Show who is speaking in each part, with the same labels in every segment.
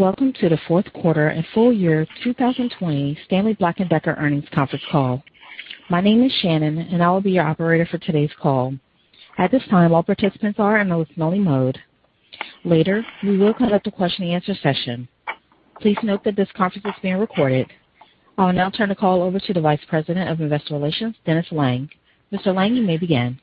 Speaker 1: Welcome to the fourth quarter and full-year 2020 Stanley Black & Decker earnings conference call. My name is Shannon, and I will be your operator for today's call. At this time, all participants are in listen-only mode. Later, we will conduct a question-and-answer session. Please note that this conference is being recorded. I will now turn the call over to the Vice President of Investor Relations, Dennis Lange. Mr. Lange, you may begin.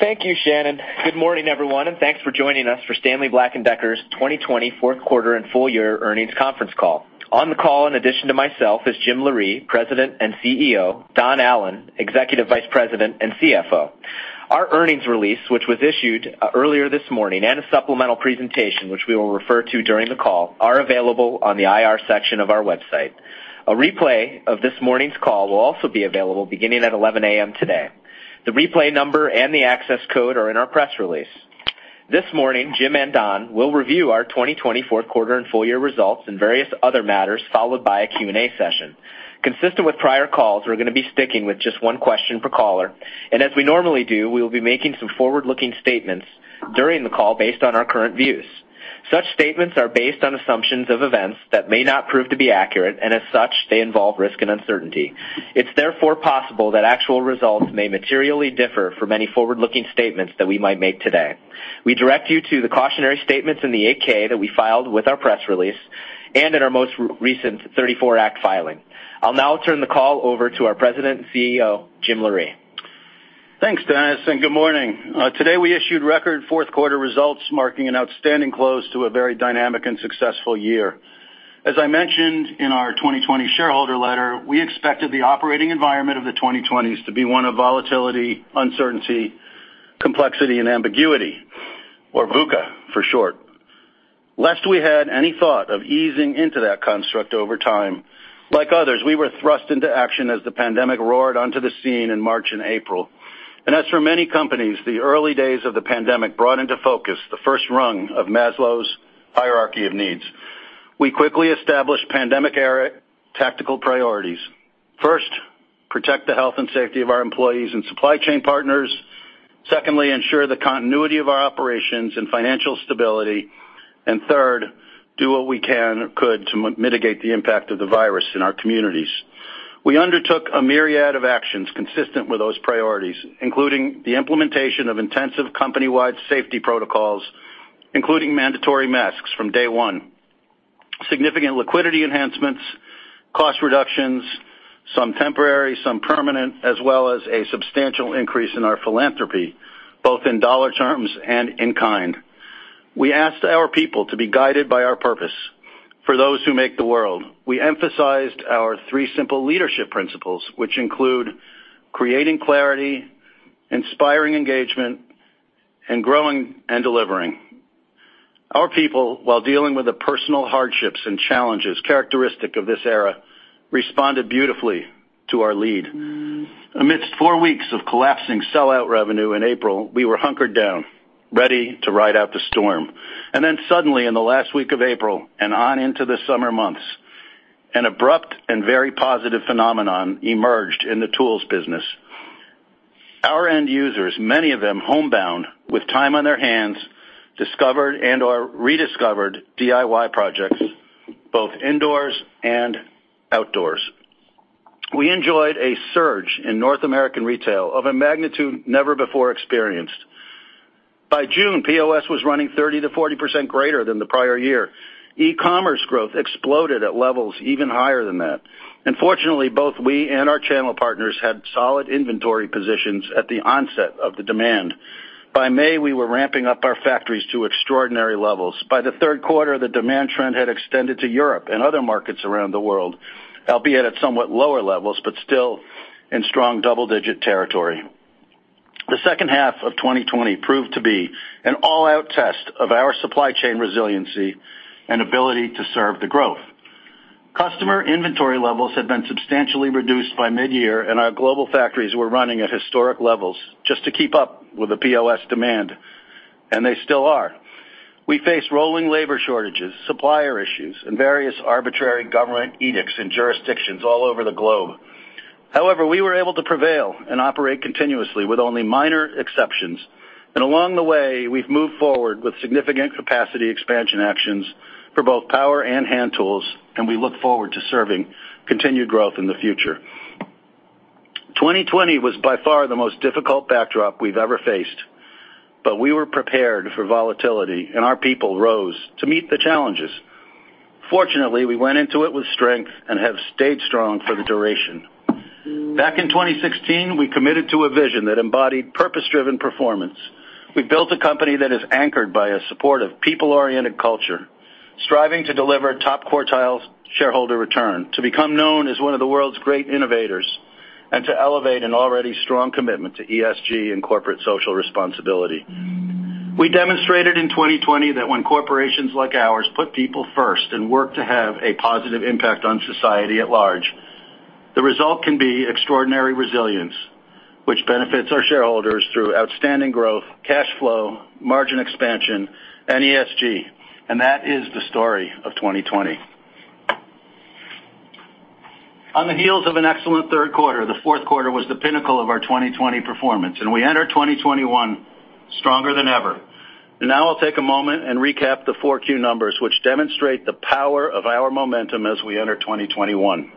Speaker 2: Thank you, Shannon. Good morning, everyone. Thanks for joining us for Stanley Black & Decker's 2020 fourth quarter and full-year earnings conference call. On the call, in addition to myself, are Jim Loree, President and CEO, and Don Allan, Executive Vice President and CFO. Our earnings release, which was issued earlier this morning, a supplemental presentation, which we will refer to during the call, are available on the IR section of our website. A replay of this morning's call will also be available beginning at 11:00 A.M. today. The replay number and the access code are in our press release. This morning, Jim and Don will review our 2020 fourth quarter and full-year results and various other matters, followed by a Q&A session. Consistent with prior calls, we're going to be sticking with just one question per caller, and as we normally do, we will be making some forward-looking statements during the call based on our current views. Such statements are based on assumptions of events that may not prove to be accurate, and as such, they involve risk and uncertainty. It's therefore possible that actual results may materially differ from any forward-looking statements that we might make today. We direct you to the cautionary statements in the Form 8-K that we filed with our press release and in our most recent 34 Act filing. I'll now turn the call over to our President and CEO, Jim Loree.
Speaker 3: Thanks, Dennis, and good morning. Today, we issued record fourth quarter results, marking an outstanding close to a very dynamic and successful year. As I mentioned in our 2020 shareholder letter, we expected the operating environment of the 2020s to be one of volatility, uncertainty, complexity, and ambiguity, or VUCA for short. Lest we had any thought of easing into that construct over time, like others, we were thrust into action as the pandemic roared onto the scene in March and April. As for many companies, the early days of the pandemic brought into focus the first rung of Maslow's hierarchy of needs. We quickly established pandemic era tactical priorities. First, protect the health and safety of our employees and supply chain partners. Secondly, ensure the continuity of our operations and financial stability. Third, do what we can or could to mitigate the impact of the virus in our communities. We undertook a myriad of actions consistent with those priorities, including the implementation of intensive company-wide safety protocols, including mandatory masks from day one, significant liquidity enhancements, cost reductions, some temporary, some permanent, as well as a substantial increase in our philanthropy, both in dollar terms and in kind. We asked our people to be guided by our purpose for those who make the world. We emphasized our three simple leadership principles, which include creating clarity, inspiring engagement, and growing and delivering. Our people, while dealing with the personal hardships and challenges characteristic of this era, responded beautifully to our lead. Amidst four weeks of collapsing sellout revenue in April, we were hunkered down, ready to ride out the storm. Suddenly, in the last week of April and on into the summer months, an abrupt and very positive phenomenon emerged in the tools business. Our end users, many of them homebound with time on their hands, discovered and/or rediscovered DIY projects both indoors and outdoors. We enjoyed a surge in North American retail of a magnitude never before experienced. By June, POS was running 30%-40% greater than the prior year. E-commerce growth exploded at levels even higher than that. Fortunately, both we and our channel partners had solid inventory positions at the onset of the demand. By May, we were ramping up our factories to extraordinary levels. By the third quarter, the demand trend had extended to Europe and other markets around the world, albeit at somewhat lower levels, but still in strong double-digit territory. The second half of 2020 proved to be an all-out test of our supply chain resiliency and ability to serve the growth. Customer inventory levels had been substantially reduced by mid-year, and our global factories were running at historic levels just to keep up with the POS demand, and they still are. We faced rolling labor shortages, supplier issues, and various arbitrary government edicts in jurisdictions all over the globe. However, we were able to prevail and operate continuously with only minor exceptions. Along the way, we've moved forward with significant capacity expansion actions for both power and hand tools, and we look forward to serving continued growth in the future. 2020 was by far the most difficult backdrop we've ever faced, but we were prepared for volatility, and our people rose to meet the challenges. Fortunately, we went into it with strength and have stayed strong for the duration. Back in 2016, we committed to a vision that embodied purpose-driven performance. We built a company that is anchored by a supportive, people-oriented culture, striving to deliver top-quartile shareholder return, to become known as one of the world's great innovators, and to elevate an already strong commitment to ESG and corporate social responsibility. We demonstrated in 2020 that when corporations like ours put people first and work to have a positive impact on society at large, the result can be extraordinary resilience, which benefits our shareholders through outstanding growth, cash flow, margin expansion, and ESG. That is the story of 2020. On the heels of an excellent third quarter, the fourth quarter was the pinnacle of our 2020 performance, and we enter 2021 stronger than ever. Now I'll take a moment and recap the four key numbers which demonstrate the power of our momentum as we enter 2021.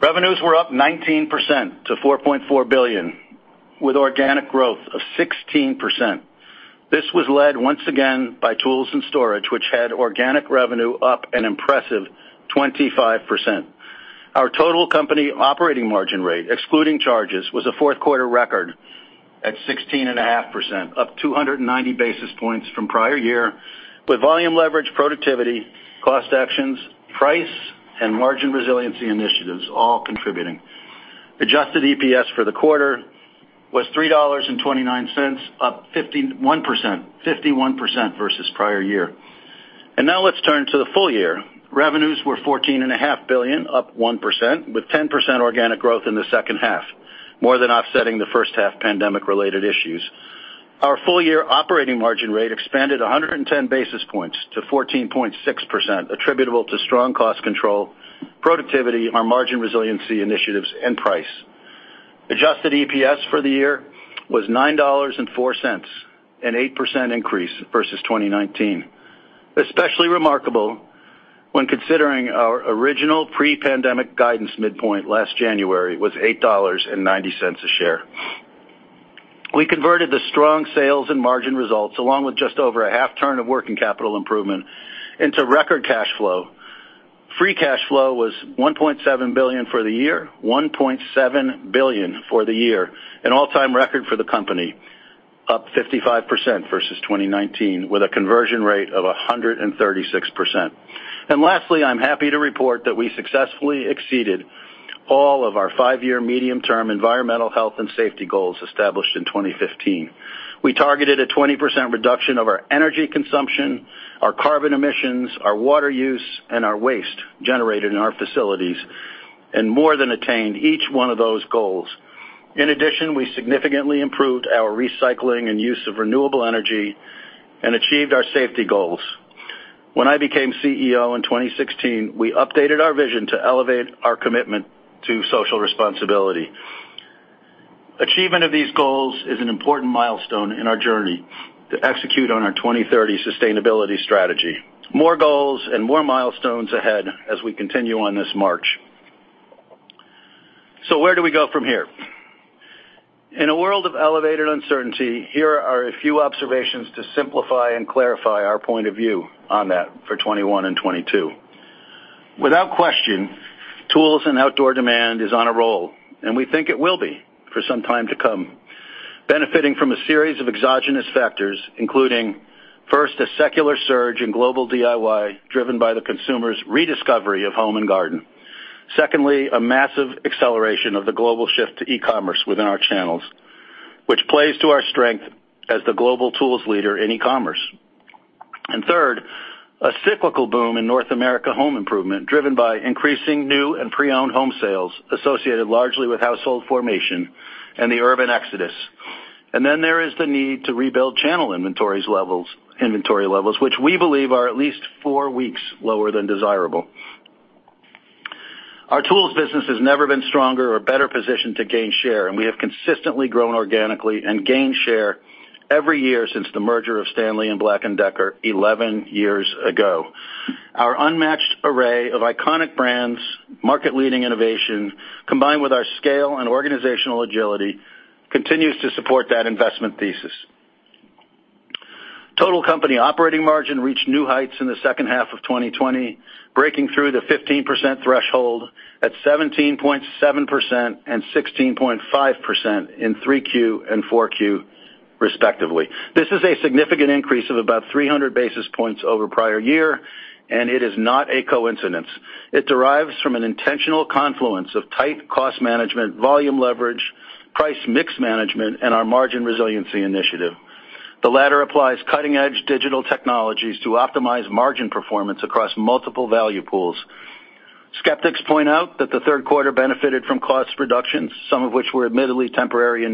Speaker 3: Revenues were up 19% to $4.4 billion with organic growth of 16%. This was led once again by tools and storage, which had organic revenue up an impressive 25%. Our total company operating margin rate, excluding charges, was a fourth-quarter record at 16.5%, up 290 basis points from prior year, with volume leverage, productivity, cost actions, price, and Margin Resiliency initiatives all contributing. Adjusted EPS for the quarter was $3.29, up 51% versus the prior year. Now let's turn to the full-year. Revenues were $14.5 billion, up 1%, with 10% organic growth in the second half, more than offsetting the first-half pandemic-related issues. Our full-year operating margin rate expanded 110 basis points to 14.6%, attributable to strong cost control, productivity, our Margin Resiliency initiatives, and price. Adjusted EPS for the year was $9.04, an 8% increase versus 2019. Especially remarkable when considering our original pre-pandemic guidance midpoint last January was $8.90 a share. We converted the strong sales and margin results, along with just over a half-turn of working capital improvement, into record cash flow. Free cash flow was $1.7 billion for the year, an all-time record for the company, up 55% versus 2019 with a conversion rate of 136%. Lastly, I'm happy to report that we successfully exceeded all of our five-year medium-term environmental, health, and safety goals established in 2015. We targeted a 20% reduction of our energy consumption, our carbon emissions, our water use, and our waste generated in our facilities, and more than attained each one of those goals. In addition, we significantly improved our recycling and use of renewable energy and achieved our safety goals. When I became CEO in 2016, we updated our vision to elevate our commitment to social responsibility. Achievement of these goals is an important milestone in our journey to execute on our 2030 sustainability strategy. More goals and more milestones ahead as we continue on this march. Where do we go from here? In a world of elevated uncertainty, here are a few observations to simplify and clarify our point of view on that for 2021 and 2022. Without question, tools and outdoor demand is on a roll, and we think it will be for some time to come, benefiting from a series of exogenous factors, including, first, a secular surge in global DIY driven by the consumer's rediscovery of home and garden. Secondly, a massive acceleration of the global shift to e-commerce within our channels, which plays to our strength as the global tools leader in e-commerce. Third, a cyclical boom in North America home improvement, driven by increasing new and pre-owned home sales associated largely with household formation and the urban exodus. There is the need to rebuild channel inventory levels, which we believe are at least four weeks lower than desirable. Our tools business has never been stronger or better positioned to gain share, and we have consistently grown organically and gained share every year since the merger of Stanley and Black & Decker 11 years ago. Our unmatched array of iconic brands, market-leading innovation, combined with our scale and organizational agility, continues to support that investment thesis. Total company operating margin reached new heights in the second half of 2020, breaking through the 15% threshold at 17.7% and 16.5% in Q3 and Q4 respectively. This is a significant increase of about 300 basis points over the prior year, and it is not a coincidence. It derives from an intentional confluence of tight cost management, volume leverage, price mix management, and our Margin Resiliency initiative. The latter applies cutting-edge digital technologies to optimize margin performance across multiple value pools. Skeptics point out that the third quarter benefited from cost reductions, some of which were admittedly temporary in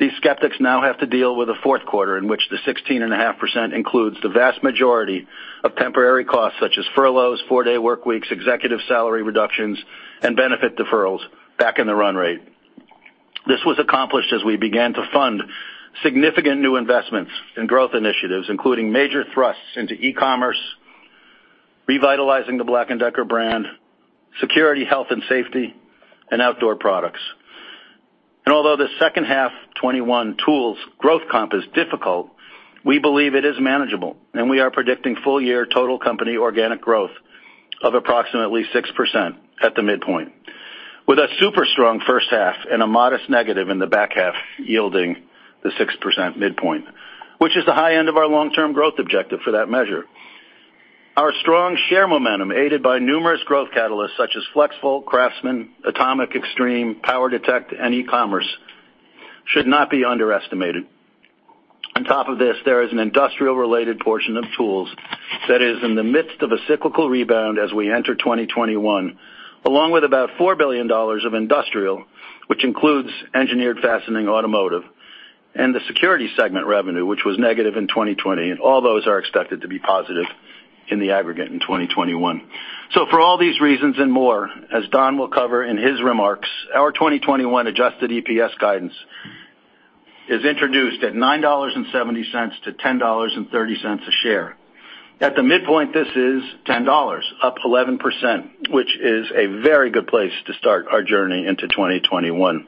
Speaker 3: nature. These skeptics now have to deal with the fourth quarter, in which the 16.5% includes the vast majority of temporary costs such as furloughs, four-day workweeks, executive salary reductions, and benefit deferrals back in the run rate. This was accomplished as we began to fund significant new investments in growth initiatives, including major thrusts into e-commerce, revitalizing the Black & Decker brand, security, health, and safety, and outdoor products. Although the second half 2021 tools growth comp is difficult, we believe it is manageable, and we are predicting full-year total company organic growth of approximately 6% at the midpoint, with a super strong first half and a modest negative in the back half yielding the 6% midpoint, which is the high end of our long-term growth objective for that measure. Our strong share momentum, aided by numerous growth catalysts such as FLEXVOLT, CRAFTSMAN, ATOMIC XTREME, POWER DETECT, and e-commerce, should not be underestimated. On top of this, there is an industrial-related portion of tools that is in the midst of a cyclical rebound as we enter 2021, along with about $4 billion of industrial, which includes engineered fastening automotive. The security segment revenue, which was negative in 2020, and all those are expected to be positive in the aggregate in 2021. For all these reasons and more, as Don will cover in his remarks, our 2021 Adjusted EPS guidance is introduced at $9.70-$10.30 a share. At the midpoint, this is $10, up 11%, which is a very good place to start our journey into 2021.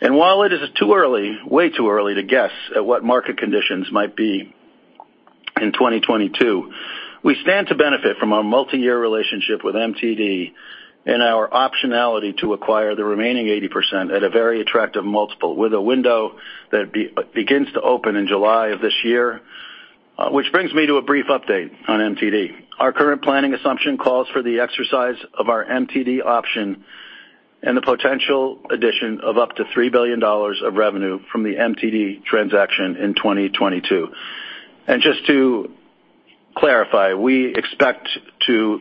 Speaker 3: While it is too early, way too early, to guess at what market conditions might be in 2022, we stand to benefit from our multi-year relationship with MTD and our optionality to acquire the remaining 80% at a very attractive multiple with a window that begins to open in July of this year. Which brings me to a brief update on MTD. Our current planning assumption calls for the exercise of our MTD option and the potential addition of up to $3 billion of revenue from the MTD transaction in 2022. Just to clarify, we expect to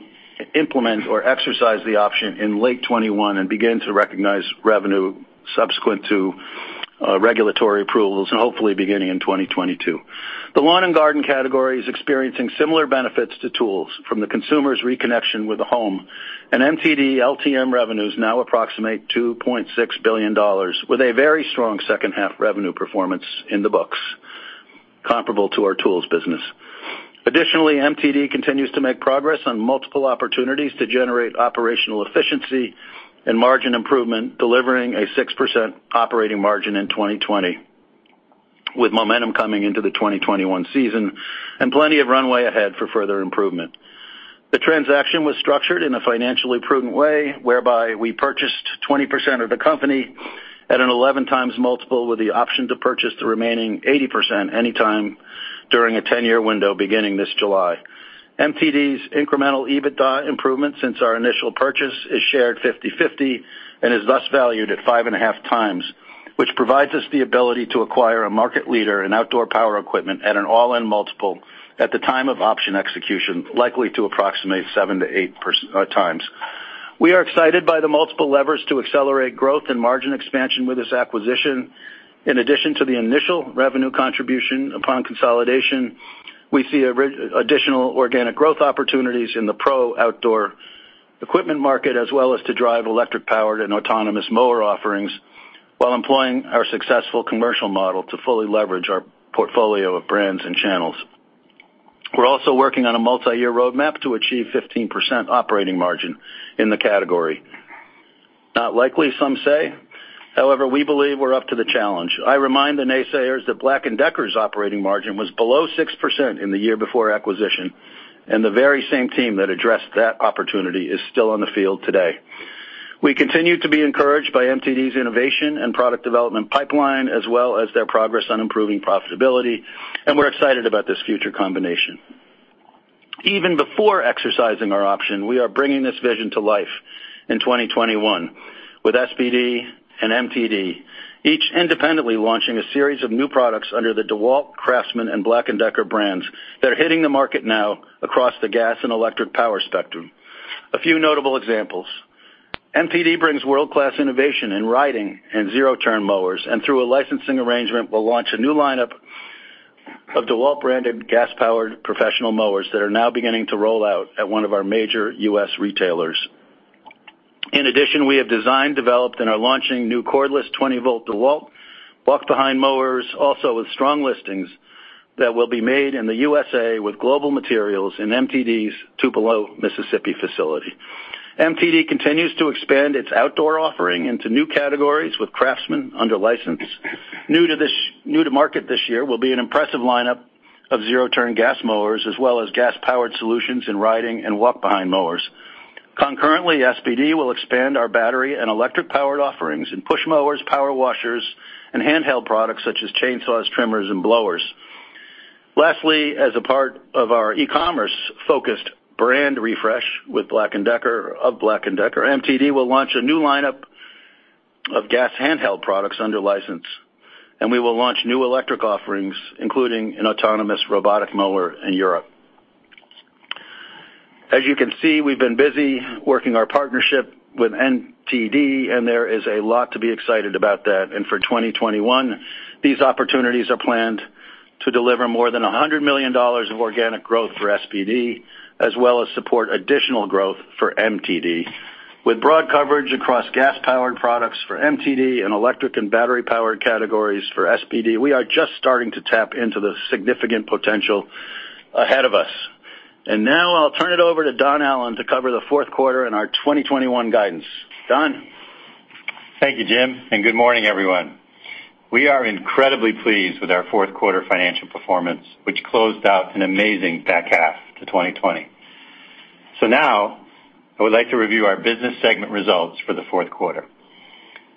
Speaker 3: implement or exercise the option in late 2021 and begin to recognize revenue subsequent to regulatory approvals and hopefully beginning in 2022. The lawn and garden category is experiencing similar benefits to tools from the consumer's reconnection with the home, and MTD LTM revenues now approximate $2.6 billion, with a very strong second-half revenue performance in the books comparable to our tools business. Additionally, MTD continues to make progress on multiple opportunities to generate operational efficiency and margin improvement, delivering a 6% operating margin in 2020, with momentum coming into the 2021 season and plenty of runway ahead for further improvement. The transaction was structured in a financially prudent way, whereby we purchased 20% of the company at an 11x multiple with the option to purchase the remaining 80% anytime during a 10-year window beginning this July. MTD's incremental EBITDA improvements since our initial purchase is shared 50/50 and is thus valued at 5.5x, which provides us the ability to acquire a market leader in outdoor power equipment at an all-in multiple at the time of option execution, likely to approximate 7x to 8x. We are excited by the multiple levers to accelerate growth and margin expansion with this acquisition. In addition to the initial revenue contribution upon consolidation, we see additional organic growth opportunities in the pro-outdoor equipment market, as well as to drive electric-powered and autonomous mower offerings while employing our successful commercial model to fully leverage our portfolio of brands and channels. We're also working on a multi-year roadmap to achieve 15% operating margin in the category. Not likely, some say. However, we believe we're up to the challenge. I remind the naysayers that Black & Decker's operating margin was below 6% in the year before acquisition, and the very same team that addressed that opportunity is still on the field today. We continue to be encouraged by MTD's innovation and product development pipeline, as well as their progress on improving profitability, and we're excited about this future combination. Even before exercising our option, we are bringing this vision to life in 2021 with SBD and MTD, each independently launching a series of new products under the DEWALT, CRAFTSMAN, and Black & Decker brands that are hitting the market now across the gas and electric power spectrum. A few notable examples. MTD brings world-class innovation in riding and zero-turn mowers, and through a licensing arrangement, will launch a new lineup of DEWALT-branded gas-powered professional mowers that are now beginning to roll out at one of our major U.S. retailers. We have designed, developed, and are launching new cordless 20-volt DEWALT walk-behind mowers, also with strong listings that will be made in the U.S.A. with global materials in MTD's Tupelo, Mississippi facility. MTD continues to expand its outdoor offering into new categories with CRAFTSMAN under license. New to market this year will be an impressive lineup of zero-turn gas mowers, as well as gas-powered solutions in riding and walk-behind mowers. Concurrently, SBD will expand our battery and electric-powered offerings in push mowers, power washers, and handheld products such as chainsaws, trimmers, and blowers. As a part of our e-commerce-focused brand refresh of Black & Decker, MTD will launch a new lineup of gas handheld products under license, and we will launch new electric offerings, including an autonomous robotic mower in Europe. As you can see, we've been busy working our partnership with MTD, and there is a lot to be excited about that. For 2021, these opportunities are planned to deliver more than $100 million of organic growth for SBD, as well as support additional growth for MTD. With broad coverage across gas-powered products for MTD and electric and battery-powered categories for SBD, we are just starting to tap into the significant potential ahead of us. Now I'll turn it over to Don Allan to cover the fourth quarter and our 2021 guidance. Don?
Speaker 4: Thank you, Jim, and good morning, everyone. We are incredibly pleased with our fourth quarter financial performance, which closed out an amazing back half to 2020. Now, I would like to review our business segment results for the fourth quarter.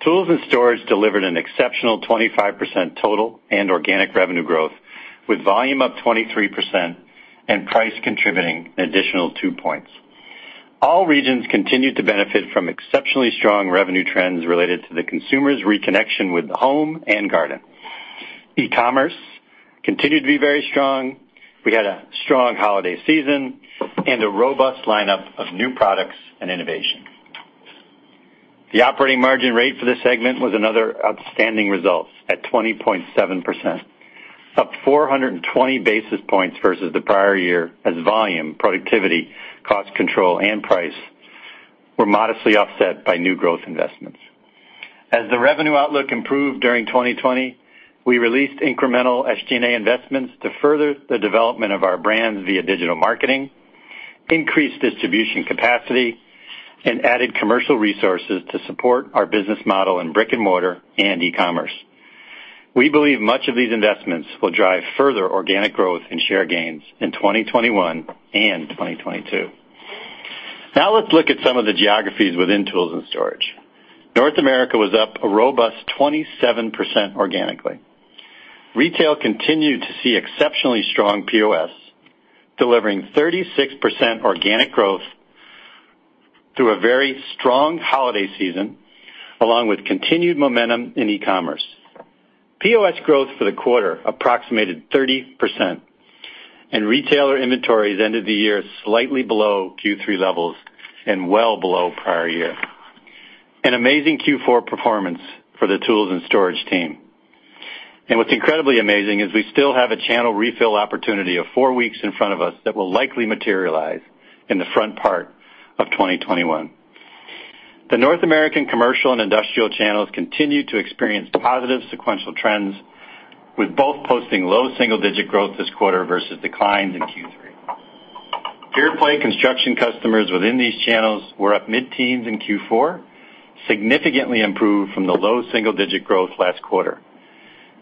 Speaker 4: Tools and Storage delivered an exceptional 25% total and organic revenue growth, with volume up 23% and price contributing an additional two points. All regions continued to benefit from exceptionally strong revenue trends related to the consumer's reconnection with the home and garden. E-commerce continued to be very strong. We had a strong holiday season and a robust lineup of new products and innovation. The operating margin rate for this segment was another outstanding result at 20.7%, up 420 basis points versus the prior year as volume, productivity, cost control, and price were modestly offset by new growth investments. As the revenue outlook improved during 2020, we released incremental SG&A investments to further the development of our brands via digital marketing, increased distribution capacity, and added commercial resources to support our business model in brick and mortar and e-commerce. We believe much of these investments will drive further organic growth and share gains in 2021 and 2022. Now let's look at some of the geographies within Tools and Storage. North America was up a robust 27% organically. Retail continued to see exceptionally strong POS, delivering 36% organic growth through a very strong holiday season, along with continued momentum in e-commerce. POS growth for the quarter approximated 30%, and retailer inventories ended the year slightly below Q3 levels and well below prior year. An amazing Q4 performance for the Tools and Storage team. What's incredibly amazing is we still have a channel refill opportunity of four weeks in front of us that will likely materialize in the front part of 2021. The North American commercial and industrial channels continued to experience positive sequential trends, with both posting low single-digit growth this quarter versus declines in Q3. Pure-play construction customers within these channels were up mid-teens in Q4, significantly improved from the low double-digit growth last quarter.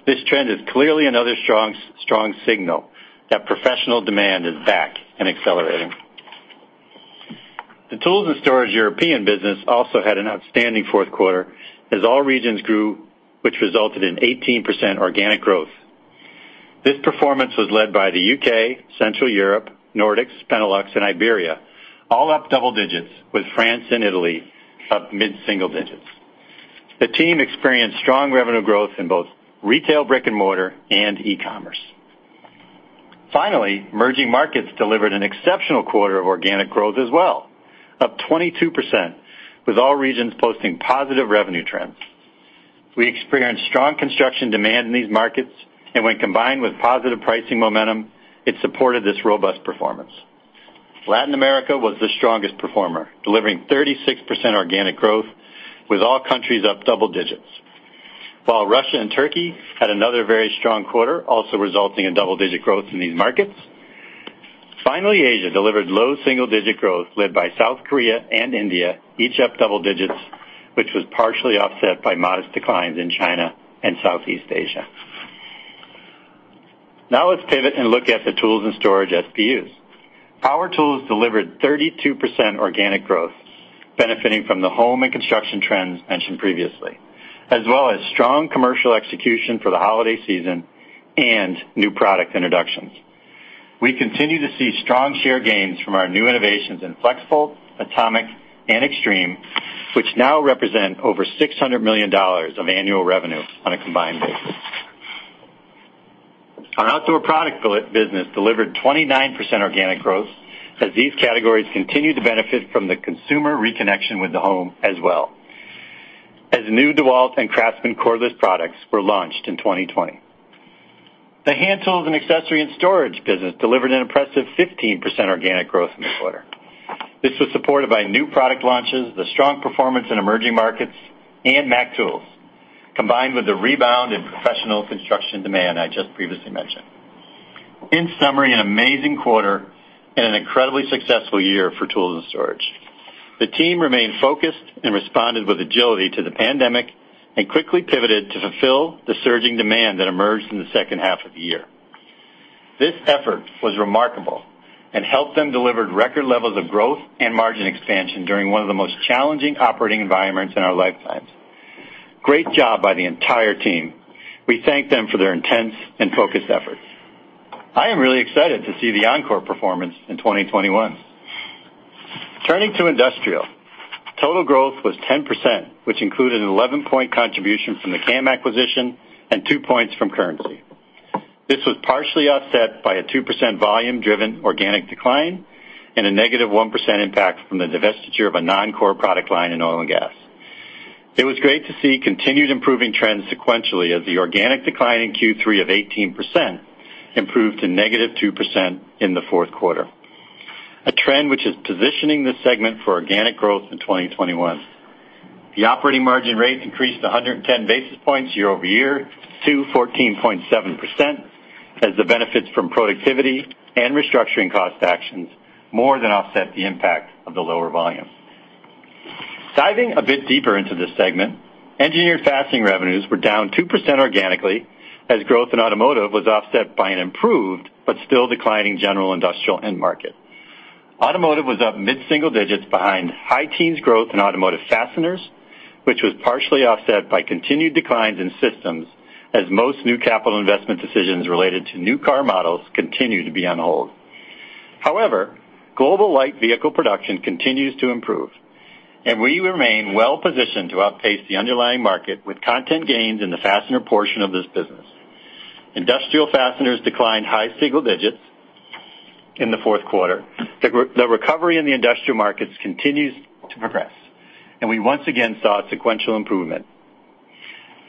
Speaker 4: This trend is clearly another strong signal that professional demand is back and accelerating. The tools and storage European business also had an outstanding fourth quarter as all regions grew, which resulted in 18% organic growth. This performance was led by the U.K., Central Europe, Nordics, Benelux, and Iberia, all up double digits, with France and Italy up mid-single digits. The team experienced strong revenue growth in both retail brick and mortar and e-commerce. Emerging markets delivered an exceptional quarter of organic growth as well, up 22%, with all regions posting positive revenue trends. We experienced strong construction demand in these markets, which, when combined with positive pricing momentum, it supported this robust performance. Latin America was the strongest performer, delivering 36% organic growth with all countries up double digits. Russia and Turkey had another very strong quarter, also resulting in double-digit growth in these markets. Asia delivered low single-digit growth led by South Korea and India, each up double digits, which was partially offset by modest declines in China and Southeast Asia. Let's pivot and look at the tools and storage SPUs. Power tools delivered 32% organic growth, benefiting from the home and construction trends mentioned previously, as well as strong commercial execution for the holiday season and new product introductions. We continue to see strong share gains from our new innovations in FLEXVOLT, ATOMIC, and XTREME, which now represent over $600 million of annual revenue on a combined basis. Our outdoor product business delivered 29% organic growth as these categories continue to benefit from the consumer reconnection with the home as well, as new DEWALT and CRAFTSMAN cordless products were launched in 2020. The hand tools and accessory and storage business delivered an impressive 15% organic growth in the quarter. This was supported by new product launches, the strong performance in emerging markets, and Mac Tools, combined with the rebound in professional construction demand I just previously mentioned. In summary, an amazing quarter and an incredibly successful year for tools and storage. The team remained focused and responded with agility to the pandemic and quickly pivoted to fulfill the surging demand that emerged in the second half of the year. This effort was remarkable and helped them deliver record levels of growth and margin expansion during one of the most challenging operating environments in our lifetimes. Great job by the entire team. We thank them for their intense and focused efforts. I am really excited to see the encore performance in 2021. Turning to industrial. Total growth was 10%, which included an 11-point contribution from the CAM acquisition and two points from currency. This was partially offset by a 2% volume-driven organic decline and a negative 1% impact from the divestiture of a non-core product line in oil and gas. It was great to see continued improving trends sequentially as the organic decline in Q3 of 18% improved to negative 2% in the fourth quarter, a trend which is positioning this segment for organic growth in 2021. The operating margin rate increased 110 basis points year-over-year to 14.7% as the benefits from productivity and restructuring cost actions more than offset the impact of the lower volume. Diving a bit deeper into this segment, engineered fastening revenues were down 2% organically as growth in automotive was offset by an improved but still declining general industrial end market. Automotive was up mid-single digits behind high teens growth in automotive fasteners, which was partially offset by continued declines in systems, as most new capital investment decisions related to new car models continue to be on hold. However, global light vehicle production continues to improve, and we remain well-positioned to outpace the underlying market with content gains in the fastener portion of this business. Industrial fasteners declined high single digits in the fourth quarter; the recovery in the industrial markets continues to progress, and we once again saw a sequential improvement.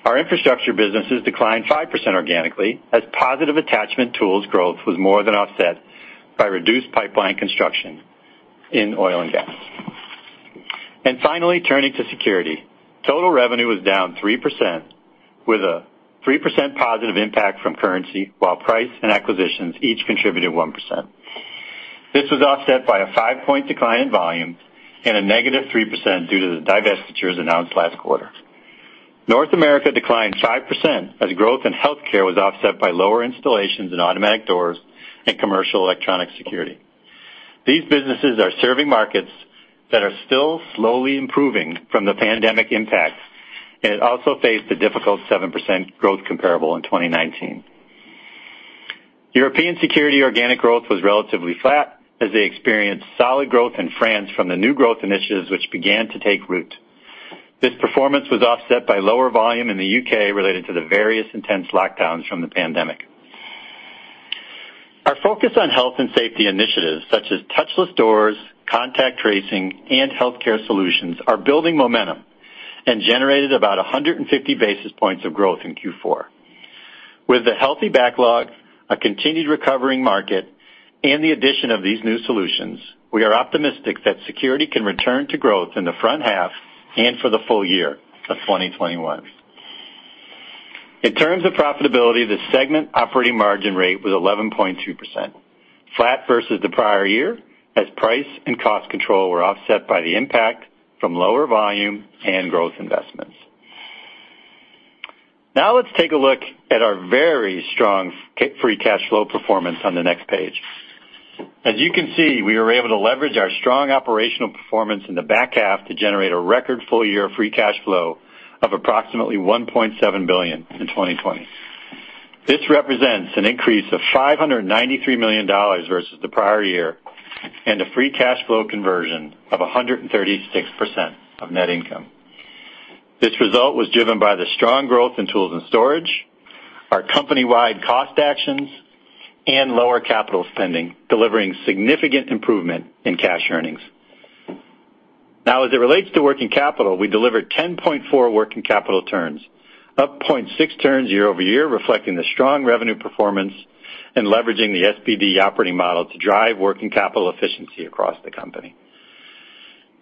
Speaker 4: Our infrastructure businesses declined 5% organically as positive attachment tools growth was more than offset by reduced pipeline construction in oil and gas. Finally, turning to security. Total revenue was down 3%, with a 3% positive impact from currency, while price and acquisitions each contributed 1%. This was offset by a five-point decline in volume and a negative 3% due to the divestitures announced last quarter. North America declined 5% as growth in healthcare was offset by lower installations in automatic doors and commercial electronic security. These businesses are serving markets that are still slowly improving from the pandemic impacts, and it also faced a difficult 7% growth comparable in 2019. European security organic growth was relatively flat as they experienced solid growth in France from the new growth initiatives which began to take root. This performance was offset by lower volume in the U.K. related to the various intense lockdowns from the pandemic. Our focus on health and safety initiatives such as touchless doors, contact tracing, and healthcare solutions are building momentum and generated about 150 basis points of growth in Q4. With a healthy backlog, a continued recovering market, and the addition of these new solutions, we are optimistic that security can return to growth in the front half and for the full-year of 2021. In terms of profitability, the segment operating margin rate was 11.2%, flat versus the prior year, as price and cost control were offset by the impact from lower volume and growth investments. Let's take a look at our very strong free cash flow performance on the next page. As you can see, we were able to leverage our strong operational performance in the back half to generate a record full-year free cash flow of approximately $1.7 billion in 2020. This represents an increase of $593 million versus the prior year and a free cash flow conversion of 136% of net income. This result was driven by the strong growth in tools and storage, our company-wide cost actions, and lower capital spending, delivering significant improvement in cash earnings. As it relates to working capital, we delivered 10.4 working capital turns, up 0.6 turns year-over-year, reflecting the strong revenue performance and leveraging the SBD operating model to drive working capital efficiency across the company.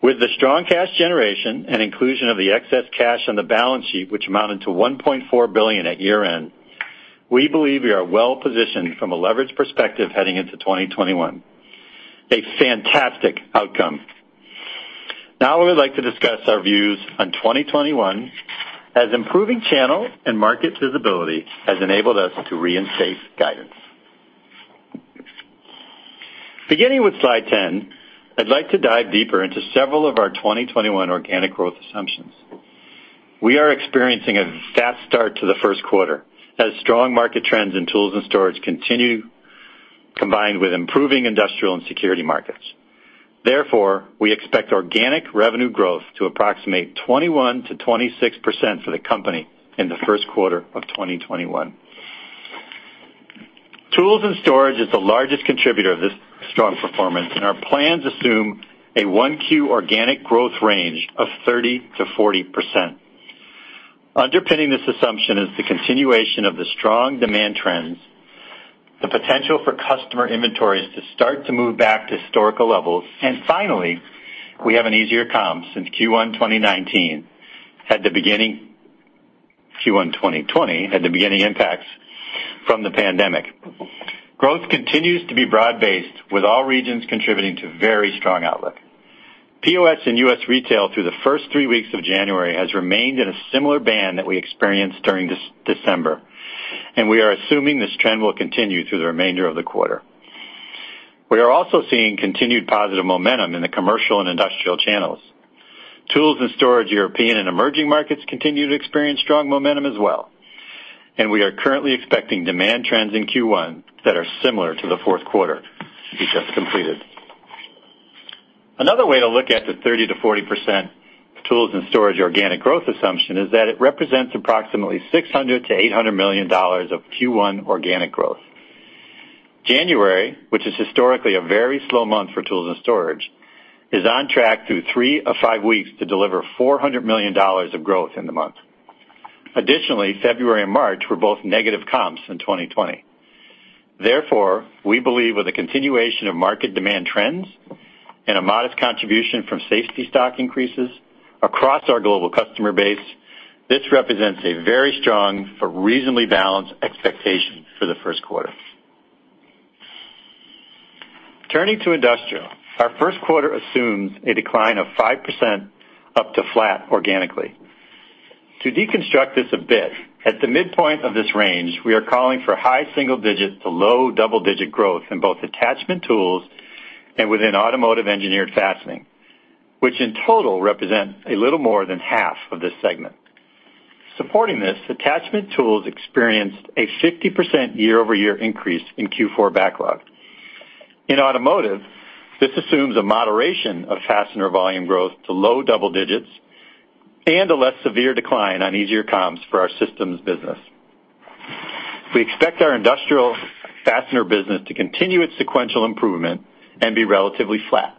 Speaker 4: With the strong cash generation and inclusion of the excess cash on the balance sheet, which amounted to $1.4 billion at year-end, we believe we are well-positioned from a leverage perspective heading into 2021. A fantastic outcome. Now I would like to discuss our views on 2021, as improving channel and market visibility has enabled us to reinstate guidance. Beginning with slide 10, I'd like to dive deeper into several of our 2021 organic growth assumptions. We are experiencing a fast start to the first quarter as strong market trends in Tools and Storage continue, combined with improving industrial and security markets. Therefore, we expect organic revenue growth to approximate 21%-26% for the company in the first quarter of 2021. Tools and Storage is the largest contributor of this strong performance, and our plans assume a 1Q organic growth range of 30%-40%. Underpinning this assumption is the continuation of the strong demand trends, the potential for customer inventories to start to move back to historical levels, and finally, we have an easier comp since Q1 2019 had the beginning Q1 2020 beginning impacts from the pandemic. Growth continues to be broad-based, with all regions contributing to very strong outlook. POS in U.S. retail through the first three weeks of January has remained in a similar band that we experienced during December, and we are assuming this trend will continue through the remainder of the quarter. We are also seeing continued positive momentum in the commercial and industrial channels. Tools and storage European and emerging markets continue to experience strong momentum as well, and we are currently expecting demand trends in Q1 that are similar to the fourth quarter we just completed. Another way to look at the 30%-40% tools and storage organic growth assumption is that it represents approximately $600 million-$800 million of Q1 organic growth. January, which is historically a very slow month for tools and storage, is on track through three of five weeks to deliver $400 million of growth in the month. Additionally, February and March were both negative comps in 2020. Therefore, we believe with the continuation of market demand trends and a modest contribution from safety stock increases across our global customer base, this represents a very strong but reasonably balanced expectation for the first quarter. Turning to industrial, our first quarter assumes a decline of 5% up to flat organically. To deconstruct this a bit, at the midpoint of this range, we are calling for high single-digit to low double-digit growth in both attachment tools and within automotive engineered fastening, which in total represent a little more than half of this segment. Supporting this, attachment tools experienced a 50% year-over-year increase in Q4 backlog. In automotive, this assumes a moderation of fastener volume growth to low double digits. A less severe decline on easier comps for our systems business. We expect our industrial fastener business to continue its sequential improvement and be relatively flat.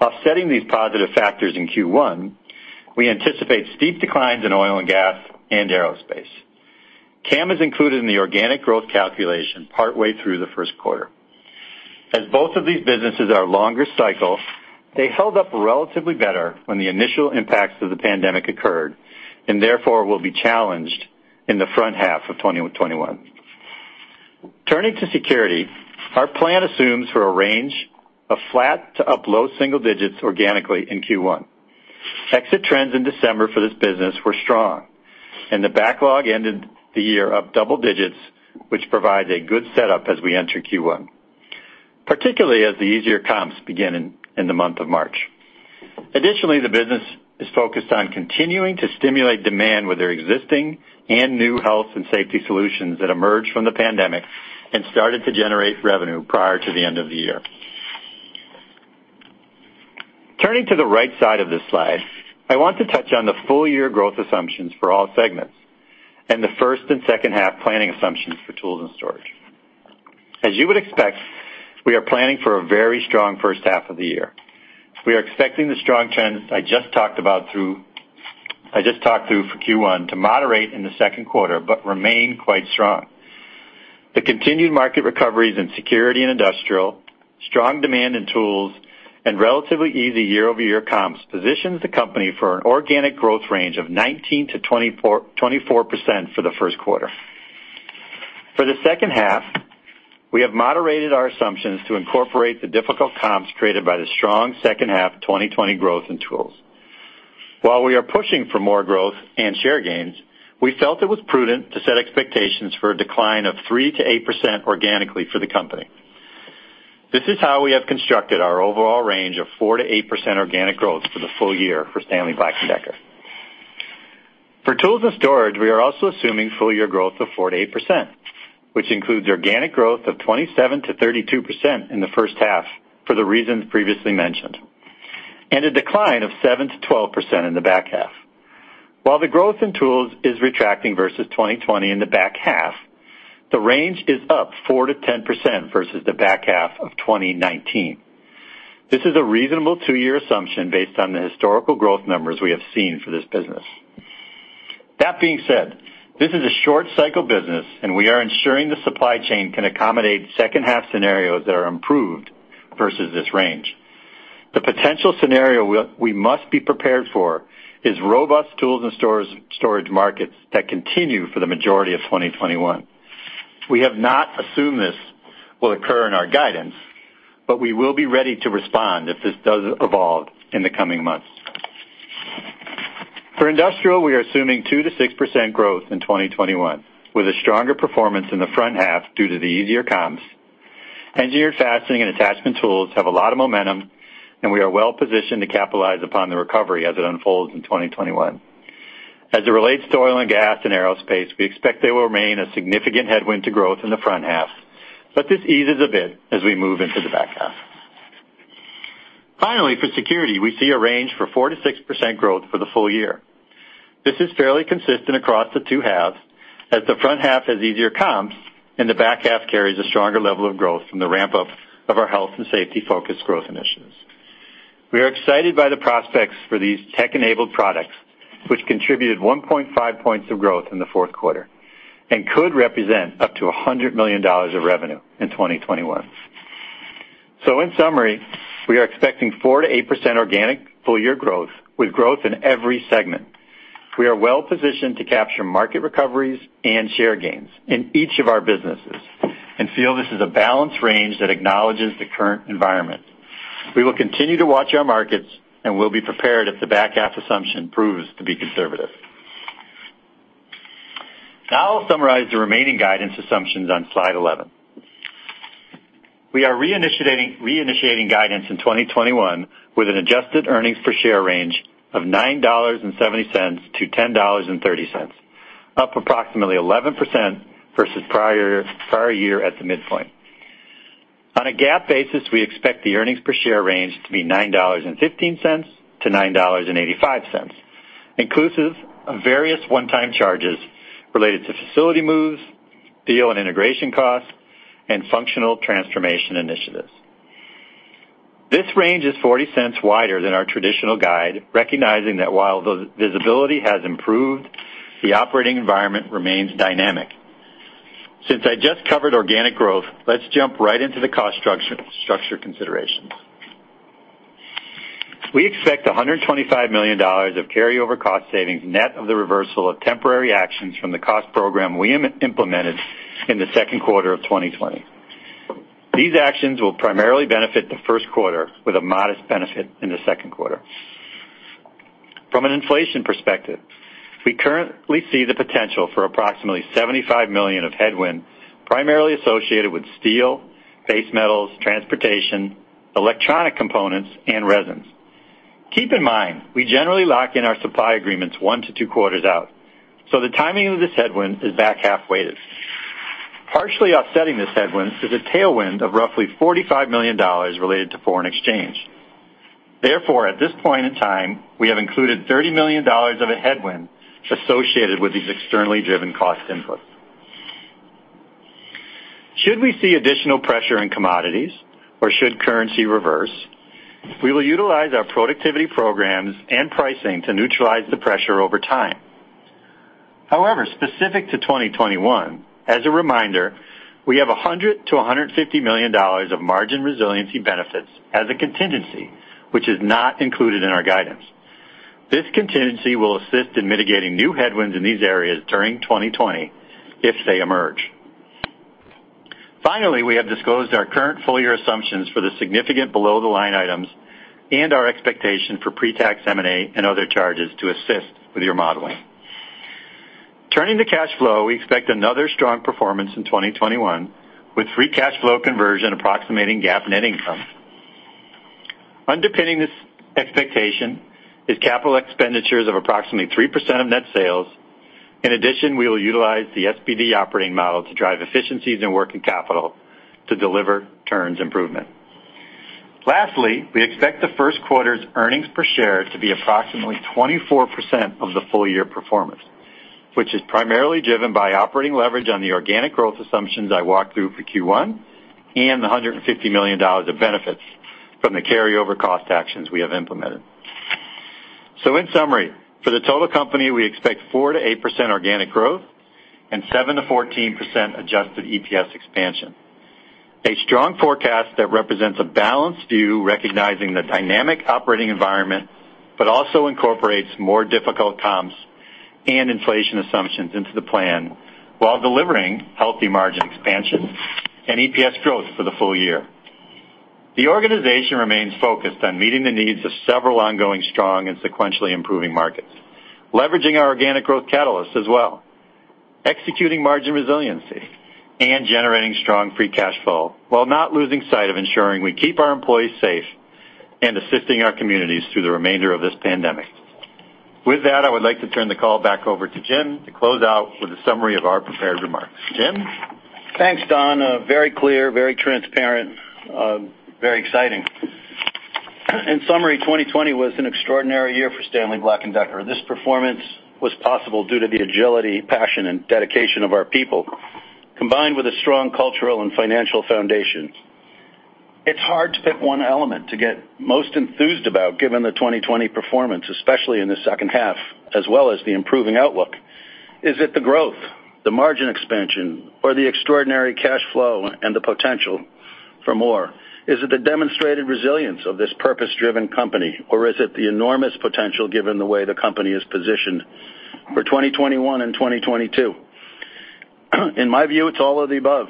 Speaker 4: Offsetting these positive factors in Q1, we anticipate steep declines in oil and gas and aerospace. CAM is included in the organic growth calculation partway through the first quarter. As both of these businesses are longer cycle, they held up relatively better when the initial impacts of the pandemic occurred, and therefore, will be challenged in the front half of 2021. Turning to security, our plan assumes for a range of flat to up low single digits organically in Q1. Exit trends in December for this business were strong, and the backlog ended the year up double digits, which provides a good setup as we enter Q1, particularly as the easier comps begin in the month of March. Additionally, the business is focused on continuing to stimulate demand with their existing and new health and safety solutions that emerged from the pandemic and started to generate revenue prior to the end of the year. Turning to the right side of this slide, I want to touch on the full-year growth assumptions for all segments and the first and second-half planning assumptions for tools and storage. As you would expect, we are planning for a very strong first half of the year. We are expecting the strong trends I just talked through for Q1 to moderate in the second quarter but remain quite strong. The continued market recoveries in security and industrial, strong demand in tools, and relatively easy year-over-year comps positions the company for an organic growth range of 19%-24% for the first quarter. For the second half, we have moderated our assumptions to incorporate the difficult comps created by the strong second half of 2020 growth in tools. While we are pushing for more growth and share gains, we felt it was prudent to set expectations for a decline of 3%-8% organically for the company. This is how we have constructed our overall range of 4%-8% organic growth for the full-year for Stanley Black & Decker. For tools and storage, we are also assuming full-year growth of 4%-8%, which includes organic growth of 27%-32% in the first half for the reasons previously mentioned, and a decline of 7%-12% in the back half. While the growth in tools is retracting versus 2020 in the back half, the range is up 4%-10% versus the back half of 2019. This is a reasonable two-year assumption based on the historical growth numbers we have seen for this business. That being said, this is a short-cycle business, and we are ensuring the supply chain can accommodate second-half scenarios that are improved versus this range. The potential scenario we must be prepared for is robust tools and storage markets that continue for the majority of 2021. We have not assumed this will occur in our guidance, but we will be ready to respond if this does evolve in the coming months. For industrial, we are assuming 2%-6% growth in 2021, with a stronger performance in the front half due to the easier comps. Engineered fastening and attachment tools have a lot of momentum, and we are well-positioned to capitalize upon the recovery as it unfolds in 2021. As it relates to oil and gas and aerospace, we expect there will remain a significant headwind to growth in the front half, but this eases a bit as we move into the back half. Finally, for security, we see a range for 4%-6% growth for the full-year. This is fairly consistent across the two halves, as the front half has easier comps and the back half carries a stronger level of growth from the ramp-up of our health and safety-focused growth initiatives. We are excited by the prospects for these tech-enabled products, which contributed 1.5 points of growth in the fourth quarter and could represent up to $100 million of revenue in 2021. In summary, we are expecting 4%-8% organic full-year growth with growth in every segment. We are well-positioned to capture market recoveries and share gains in each of our businesses, and feel this is a balanced range that acknowledges the current environment. We will continue to watch our markets, and we'll be prepared if the back-half assumption proves to be conservative. I'll summarize the remaining guidance assumptions on slide 11. We are reinitiating guidance in 2021 with an adjusted earnings per share range of $9.70-$10.30, up approximately 11% versus prior year at the midpoint. On a GAAP basis, we expect the earnings per share range to be $9.15-$9.85, inclusive of various one-time charges related to facility moves, deal and integration costs, and functional transformation initiatives. This range is $0.40 wider than our traditional guide, recognizing that while visibility has improved, the operating environment remains dynamic. I just covered organic growth, let's jump right into the cost structure considerations. We expect $125 million of carryover cost savings net of the reversal of temporary actions from the cost program we implemented in the second quarter of 2020. These actions will primarily benefit the first quarter with a modest benefit in the second quarter. From an inflation perspective, we currently see the potential for approximately $75 million of headwind, primarily associated with steel, base metals, transportation, electronic components, and resins. Keep in mind, we generally lock in our supply agreements one to two quarters out, so the timing of this headwind is back-half weighted. Partially offsetting this headwind is a tailwind of roughly $45 million related to foreign exchange. Therefore, at this point in time, we have included $30 million of a headwind associated with these externally driven cost inputs. Should we see additional pressure in commodities or should currency reverse, we will utilize our productivity programs and pricing to neutralize the pressure over time. Specific to 2021, as a reminder, we have $100 million-$150 million of Margin Resiliency benefits as a contingency, which is not included in our guidance. This contingency will assist in mitigating new headwinds in these areas during 2020 if they emerge. Finally, we have disclosed our current full-year assumptions for the significant below-the-line items and our expectation for pre-tax M&A and other charges to assist with your modeling. Turning to cash flow, we expect another strong performance in 2021 with free cash flow conversion approximating GAAP net income. Underpinning this expectation is capital expenditures of approximately 3% of net sales. In addition, we will utilize the SBD operating model to drive efficiencies in working capital to deliver turn improvement. We expect the first quarter's earnings per share to be approximately 24% of the full-year performance, which is primarily driven by operating leverage on the organic growth assumptions I walked through for Q1 and the $150 million of benefits from the carryover cost actions we have implemented. In summary, for the total company, we expect 4%-8% organic growth and 7%-14% Adjusted EPS expansion. A strong forecast that represents a balanced view, recognizing the dynamic operating environment, also incorporates more difficult comps and inflation assumptions into the plan while delivering healthy margin expansion and EPS growth for the full-year. The organization remains focused on meeting the needs of several ongoing, strong, and sequentially improving markets, leveraging our organic growth catalysts as well, executing Margin Resiliency and generating strong free cash flow while not losing sight of ensuring we keep our employees safe and assisting our communities through the remainder of this pandemic. With that, I would like to turn the call back over to Jim to close out with a summary of our prepared remarks. Jim?
Speaker 3: Thanks, Don. Very clear, very transparent, very exciting. In summary, 2020 was an extraordinary year for Stanley Black & Decker. This performance was possible due to the agility, passion and dedication of our people, combined with a strong cultural and financial foundation. It's hard to pick one element to get most enthused about given the 2020 performance, especially in the second half, as well as the improving outlook. Is it the growth, the margin expansion, or the extraordinary cash flow, and the potential for more? Is it the demonstrated resilience of this purpose-driven company, or is it the enormous potential given the way the company is positioned for 2021 and 2022? In my view, it's all of the above.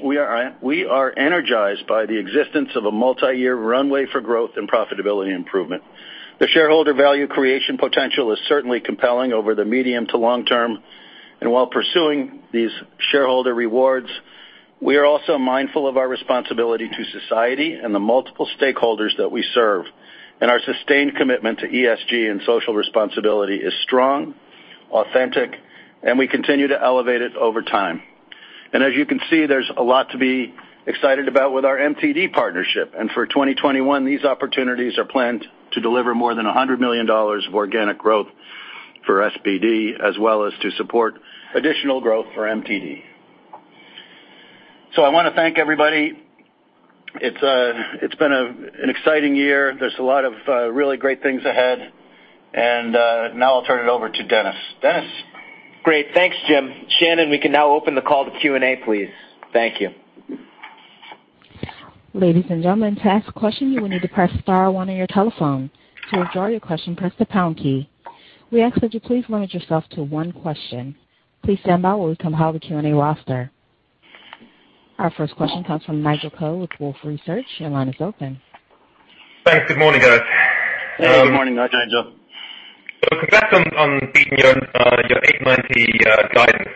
Speaker 3: We are energized by the existence of a multi-year runway for growth and profitability improvement. The shareholder value creation potential is certainly compelling over the medium to long term. While pursuing these shareholder rewards, we are also mindful of our responsibility to society and the multiple stakeholders that we serve. Our sustained commitment to ESG and social responsibility is strong, authentic, and we continue to elevate it over time. As you can see, there's a lot to be excited about with our MTD partnership. For 2021, these opportunities are planned to deliver more than $100 million of organic growth for SBD, as well as to support additional growth for MTD. I want to thank everybody. It's been an exciting year. There's a lot of really great things ahead. Now I'll turn it over to Dennis. Dennis?
Speaker 2: Great. Thanks, Jim. Shannon, we can now open the call to Q&A, please. Thank you.
Speaker 1: Ladies and gentlemen, to ask a question, you will need to press star one on your telephone. To withdraw your question, press the pound key. We ask that you please limit yourself to one question. Please stand by while we compile the Q&A roster. Our first question comes from Nigel Coe with Wolfe Research. Your line is open.
Speaker 5: Thanks. Good morning, guys.
Speaker 3: Good morning, Nigel.
Speaker 4: Hey, Nigel.
Speaker 5: Congrats on beating your 890 guidance.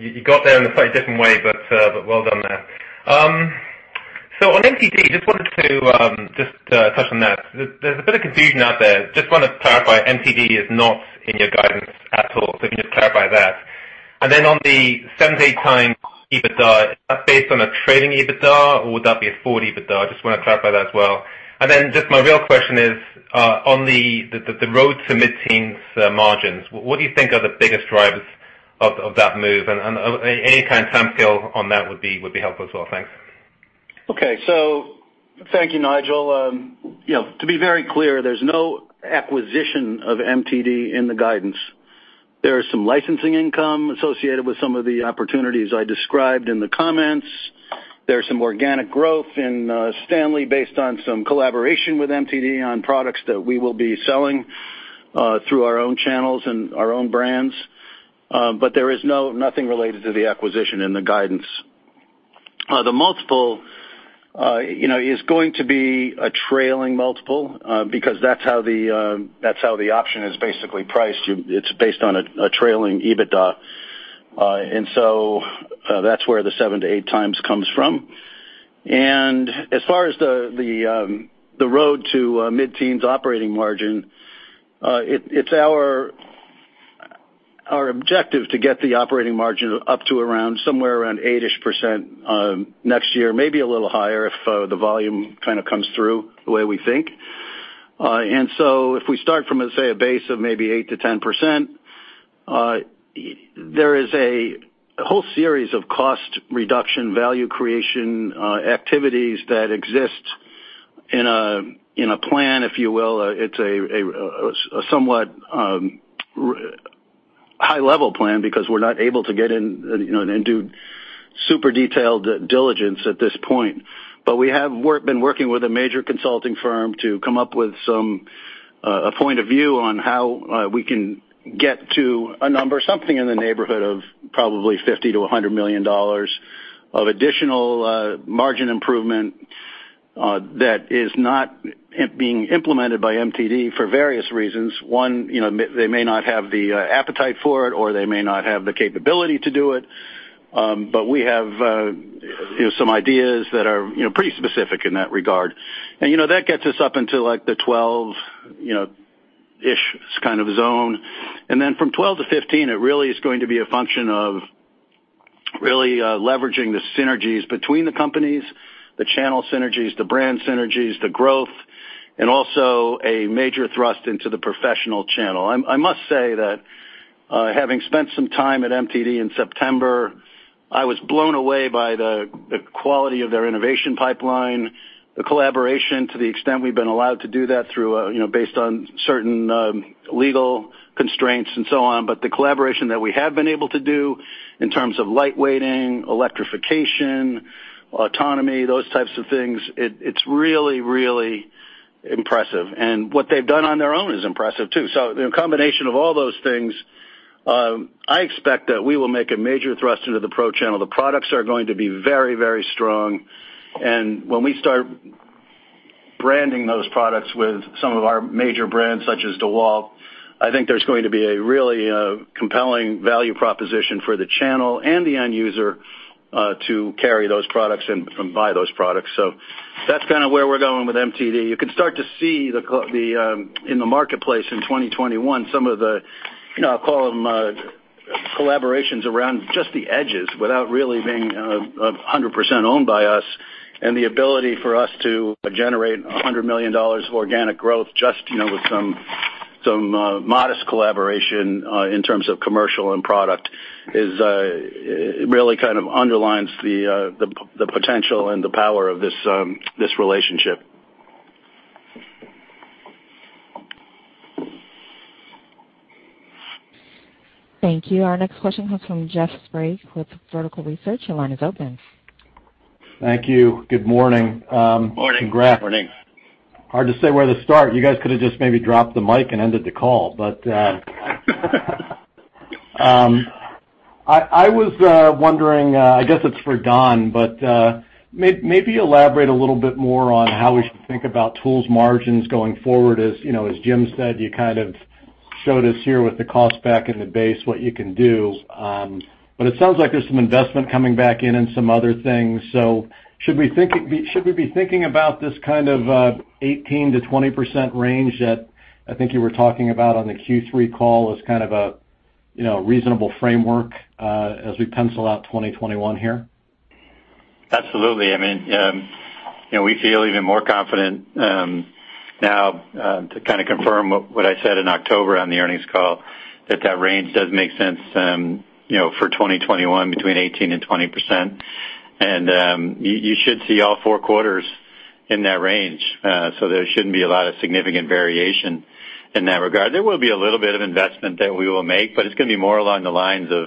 Speaker 5: You got there in a slightly different way, but well done there. On MTD, wanted to touch on that. There's a bit of confusion out there. Just want to clarify, MTD is not in your guidance at all. If you can just clarify that. On the 7x EBITDA, is that based on a trailing EBITDA or would that be a forward EBITDA? I just want to clarify that as well. My real question is, on the road to mid-teens margins, what do you think are the biggest drivers of that move? Any kind of time scale on that would be helpful as well. Thanks.
Speaker 3: Okay. Thank you, Nigel. To be very clear, there's no acquisition of MTD in the guidance. There is some licensing income associated with some of the opportunities I described in the comments. There's some organic growth in Stanley based on some collaboration with MTD on products that we will be selling through our own channels and our own brands. There is nothing related to the acquisition in the guidance. The multiple is going to be a trailing multiple, because that's how the option is basically priced. It's based on a trailing EBITDA. That's where the 7x to 8x comes from. As far as the road to mid-teens operating margin, it's our objective to get the operating margin up to somewhere around 8% next year, maybe a little higher if the volume comes through the way we think. If we start from, say, a base of maybe 8%-10%, there is a whole series of cost reduction, value creation activities that exist in a plan, if you will. It's a somewhat high-level plan because we're not able to get in and do super detailed diligence at this point. We have been working with a major consulting firm to come up with a point of view on how we can get to a number, something in the neighborhood of probably $50 million-$100 million of additional margin improvement that is not being implemented by MTD for various reasons. One, they may not have the appetite for it, or they may not have the capability to do it. We have some ideas that are pretty specific in that regard. That gets us up into the 12-ish kind of zone. From 12 to 15, it really is going to be a function of really leveraging the synergies between the companies, the channel synergies, the brand synergies, the growth, and also a major thrust into the professional channel. I must say that having spent some time at MTD in September, I was blown away by the quality of their innovation pipeline, the collaboration to the extent we've been allowed to do that based on certain legal constraints and so on. The collaboration that we have been able to do in terms of lightweighting, electrification, autonomy, those types of things, it's really, really impressive. What they've done on their own is impressive, too. The combination of all those things, I expect that we will make a major thrust into the pro channel. The products are going to be very, very strong. When we start branding those products with some of our major brands, such as DEWALT, I think there's going to be a really compelling value proposition for the channel and the end user to carry those products and buy those products. That's kind of where we're going with MTD. You can start to see in the marketplace in 2021, some of the, I'll call them collaborations around just the edges without really being 100% owned by us, and the ability for us to generate $100 million of organic growth just with some modest collaboration in terms of commercial and product really kind of underlines the potential and the power of this relationship.
Speaker 1: Thank you. Our next question comes from Jeff Sprague with Vertical Research Partners. Your line is open.
Speaker 6: Thank you. Good morning.
Speaker 3: Morning.
Speaker 6: Congrats.
Speaker 4: Morning.
Speaker 6: Hard to say where to start. You guys could have just maybe dropped the mic and ended the call. I was wondering, I guess it's for Don, maybe elaborate a little bit more on how we should think about tool margins going forward. As Jim said, you kind of showed us here with the cost back in the base what you can do. It sounds like there's some investment coming back in and some other things. Should we be thinking about this kind of 18%-20% range that I think you were talking about on the Q3 call as kind of a reasonable framework as we pencil out 2021 here?
Speaker 4: Absolutely. We feel even more confident now to kind of confirm what I said in October on the earnings call, that that range does make sense for 2021 between 18% and 20%. You should see all four quarters in that range. There shouldn't be a lot of significant variation in that regard. There will be a little bit of investment that we will make, but it's going to be more along the lines of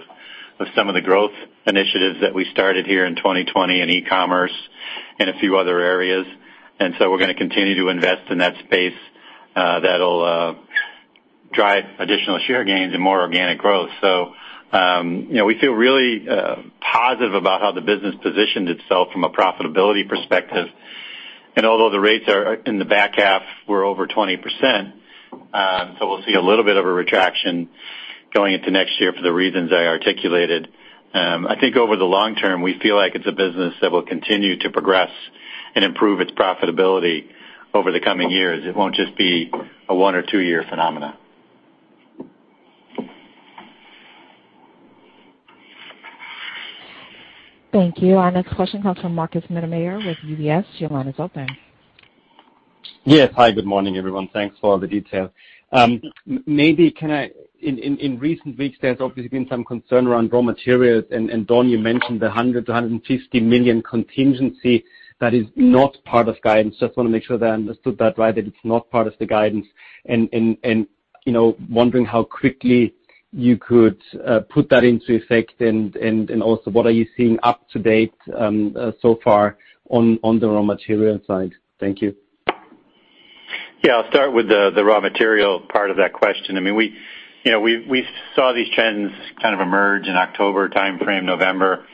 Speaker 4: some of the growth initiatives that we started here in 2020 in e-commerce and a few other areas. We're going to continue to invest in that space that'll drive additional share gains and more organic growth. We feel really positive about how the business positioned itself from a profitability perspective. Although the rates in the back half were over 20%, so we'll see a little bit of a retraction going into next year for the reasons I articulated. I think over the long term, we feel like it's a business that will continue to progress and improve its profitability over the coming years. It won't just be a one or two year phenomena.
Speaker 1: Thank you. Our next question comes from Markus Mittermaier with UBS. Your line is open.
Speaker 7: Yes. Hi, good morning, everyone. Thanks for all the details. Maybe, in recent weeks, there's obviously been some concern around raw materials. Don, you mentioned the $100 million-$150 million contingency that is not part of guidance. Just want to make sure that I understood that right, that it's not part of the guidance. Wondering how quickly you could put that into effect, and also what are you seeing up to date so far on the raw material side? Thank you.
Speaker 4: Yeah, I'll start with the raw material part of that question. We saw these trends kind of emerge in October timeframe, November,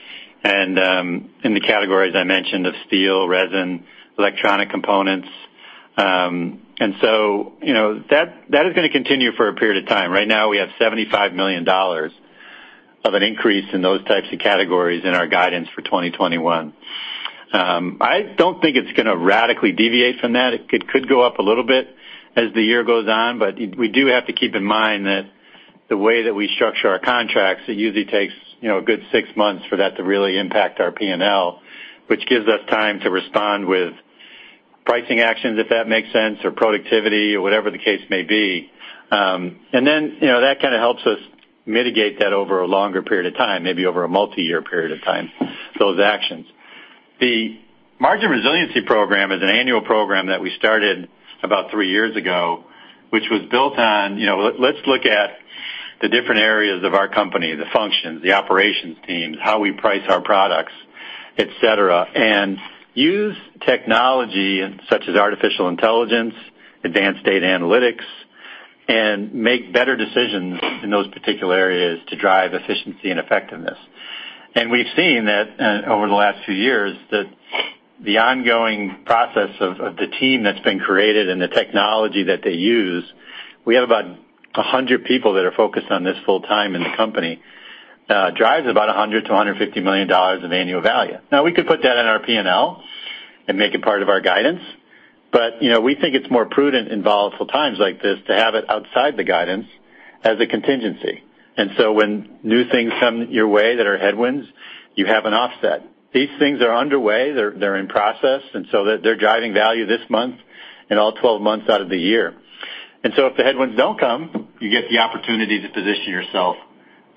Speaker 4: in the categories I mentioned of steel, resin, electronic components. That is going to continue for a period of time. Right now, we have $75 million of an increase in those types of categories in our guidance for 2021. I don't think it's going to radically deviate from that. It could go up a little bit as the year goes on, we do have to keep in mind that the way that we structure our contracts, it usually takes a good six months for that to really impact our P&L, which gives us time to respond with pricing actions, if that makes sense, or productivity or whatever the case may be. That kind of helps us mitigate that over a longer period of time, maybe over a multi-year period of time, those actions. The Margin Resiliency program is an annual program that we started about three years ago, which was built on, let's look at the different areas of our company, the functions, the operations teams, how we price our products, et cetera, and use technology such as artificial intelligence, advanced data analytics, and make better decisions in those particular areas to drive efficiency and effectiveness. We've seen over the last few years that the ongoing process of the team that's been created and the technology that they use, we have about 100 people that are focused on this full time in the company, drives about $100 million-$150 million in annual value. Now, we could put that in our P&L and make it part of our guidance, but we think it's more prudent in volatile times like this to have it outside the guidance as a contingency. When new things come your way that are headwinds, you have an offset. These things are underway. They're in process, and so they're driving value this month and all 12 months out of the year. If the headwinds don't come, you get the opportunity to position yourself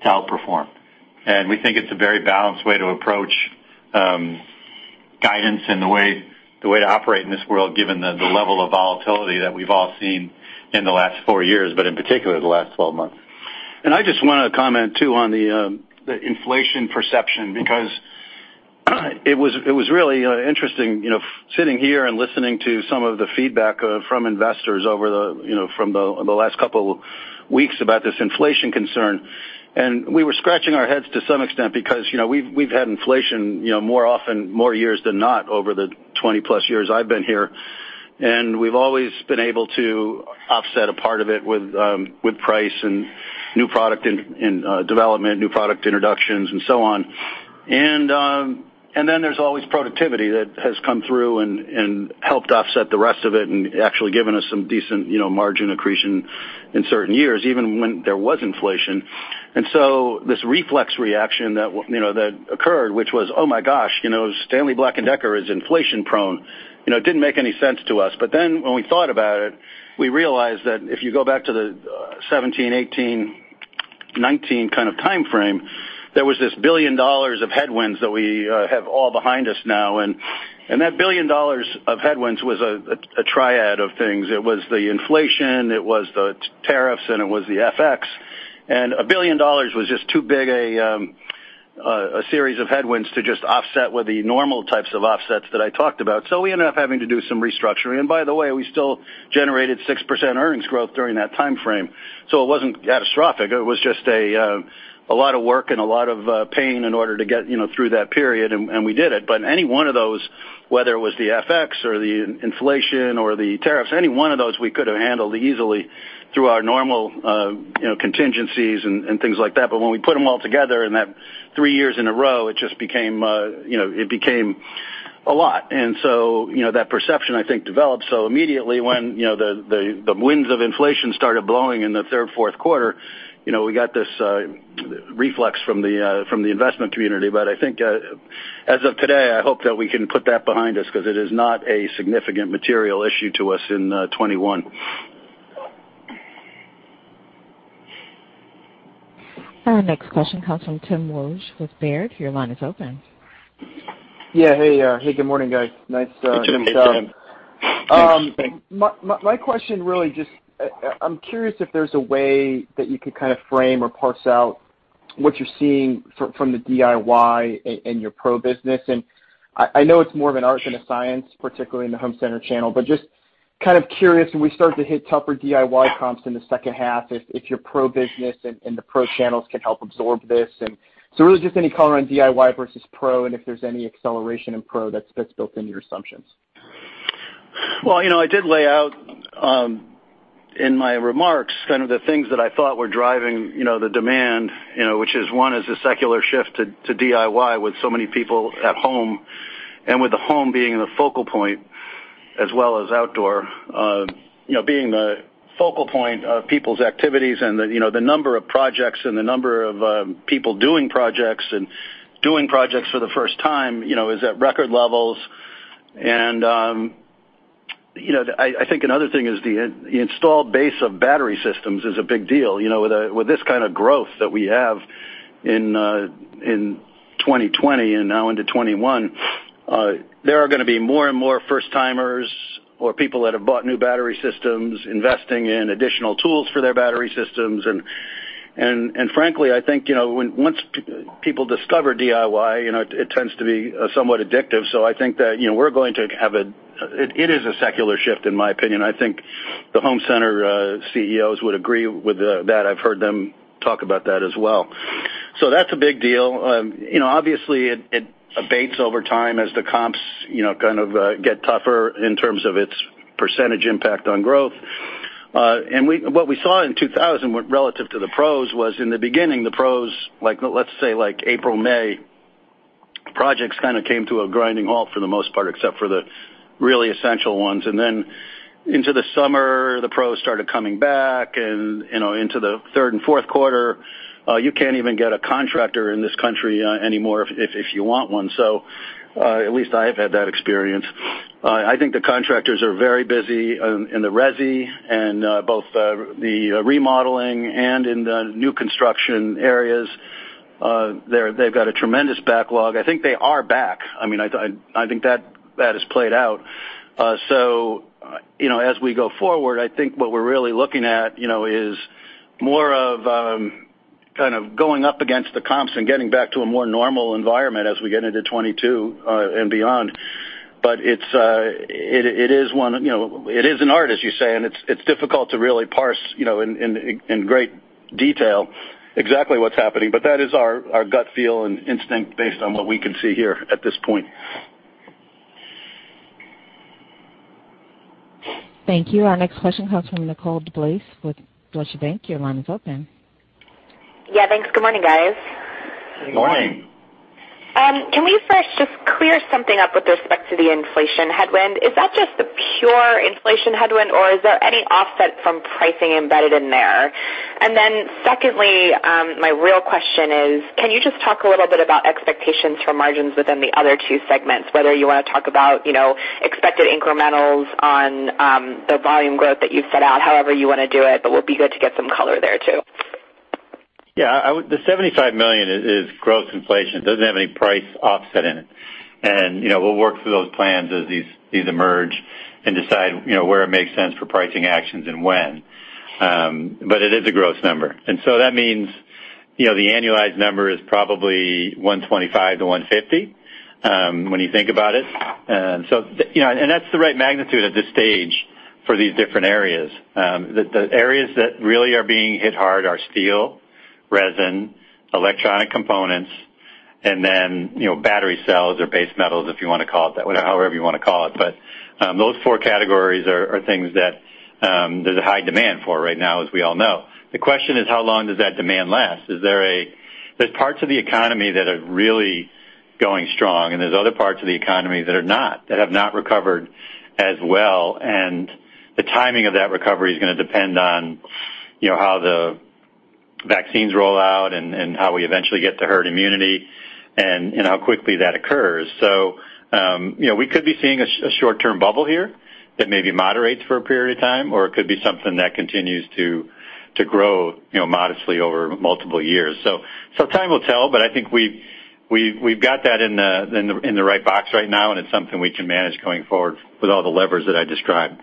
Speaker 4: to outperform. We think it's a very balanced way to approach guidance and the way to operate in this world, given the level of volatility that we've all seen in the last four years, but in particular, the last 12 months.
Speaker 3: I just want to comment, too, on the inflation perception, because it was really interesting sitting here and listening to some of the feedback from investors over from the last couple of weeks about this inflation concern. We were scratching our heads to some extent because we've had inflation more years than not over the 20-plus years I've been here. We've always been able to offset a part of it with price and new product development, new product introductions, and so on. There's always productivity that has come through and helped offset the rest of it and actually given us some decent margin accretion in certain years, even when there was inflation. This reflex reaction that occurred, which was, "Oh, my gosh, Stanley Black & Decker is inflation prone." It didn't make any sense to us. When we thought about it, we realized that if you go back to the 2017, 2018, 2019 kind of timeframe, there was this $1 billion of headwinds that we have all behind us now. That $1 billion of headwinds was a triad of things. It was the inflation, it was the tariffs, and it was the FX. $1 billion was just too big a series of headwinds to just offset with the normal types of offsets that I talked about. We ended up having to do some restructuring. By the way, we still generated 6% earnings growth during that timeframe. It wasn't catastrophic. It was just a lot of work and a lot of pain in order to get through that period, and we did it. Any one of those, whether it was the FX or the inflation or the tariffs, any one of those we could have handled easily through our normal contingencies and things like that. When we put them all together in that three years in a row, it just became a lot. That perception, I think, developed. Immediately when the winds of inflation started blowing in the third, fourth quarters, we got this reflex from the investment community. I think as of today, I hope that we can put that behind us because it is not a significant material issue to us in 2021.
Speaker 1: Our next question comes from Tim Wojs with Baird. Your line is open.
Speaker 8: Yeah. Hey, good morning, guys. Nice to chat.
Speaker 3: Hey, Tim.
Speaker 4: Thanks, Tim.
Speaker 8: My question really just, I'm curious if there's a way that you could kind of frame or parse out what you're seeing from the DIY and your pro business. I know it's more of an art than a science, particularly in the home center channel, but just kind of curious when we start to hit tougher DIY comps in the second half, if your pro business and the pro channels can help absorb this. Really just any color on DIY versus pro and if there's any acceleration in pro that's built into your assumptions.
Speaker 3: I did lay out in my remarks kind of the things that I thought were driving the demand, which is one is the secular shift to DIY with so many people at home, and with the home being the focal point as well as outdoor, being the focal point of people's activities and the number of projects and the number of people doing projects and doing projects for the first time is at record levels. I think another thing is the installed base of battery systems is a big deal. With this kind of growth that we have in 2020 and now into 2021, there are going to be more and more first-timers or people that have bought new battery systems investing in additional tools for their battery systems. Frankly, I think once people discover DIY, it tends to be somewhat addictive. It is a secular shift, in my opinion. I think the home center CEOs would agree with that. I've heard them talk about that as well. That's a big deal. Obviously, it abates over time as the comps kind of get tougher in terms of its percent impact on growth. What we saw in 2000 relative to the pros was in the beginning, the pros, let's say, like April, May, projects kind of came to a grinding halt for the most part, except for the really essential ones. Then, into the summer, the pros started coming back, and into the third and fourth quarter, you can't even get a contractor in this country anymore if you want one. At least I have had that experience. I think the contractors are very busy in the resi and both the remodeling and in the new construction areas. They've got a tremendous backlog. I think they are back. I think that has played out. As we go forward, I think what we're really looking at is more of kind of going up against the comps and getting back to a more normal environment as we get into 2022 and beyond. It is an art, as you say, and it's difficult to really parse in great detail exactly what's happening. That is our gut feel and instinct based on what we can see here at this point.
Speaker 1: Thank you. Our next question comes from Nicole DeBlase with Deutsche Bank. Your line is open.
Speaker 9: Yeah, thanks. Good morning, guys.
Speaker 3: Good morning.
Speaker 9: Can we first just clear something up with respect to the inflation headwind? Is that just the pure inflation headwind, or is there any offset from pricing embedded in there? Secondly, my real question is, can you just talk a little bit about expectations for margins within the other two segments, whether you want to talk about expected incremental on the volume growth that you've set out, however you want to do it, but it would be good to get some color there, too.
Speaker 4: Yeah. The $75 million is gross inflation. It doesn't have any price offset in it. We'll work through those plans as these emerge and decide where it makes sense for pricing actions and when. It is a gross number. That means the annualized number is probably $125 million-$150 million, when you think about it. That's the right magnitude at this stage for these different areas. The areas that really are being hit hard are steel, resin, electronic components, and then battery cells or base metals, if you want to call it that, however you want to call it. Those four categories are things that there's a high demand for right now, as we all know. The question is, how long does that demand last? There's parts of the economy that are really going strong, and there's other parts of the economy that are not, that have not recovered as well. The timing of that recovery is going to depend on how the vaccines roll out, how we eventually get to herd immunity, and how quickly that occurs. We could be seeing a short-term bubble here that maybe moderates for a period of time, or it could be something that continues to grow modestly over multiple years. Time will tell, but I think we've got that in the right box right now, and it's something we can manage going forward with all the levers that I described.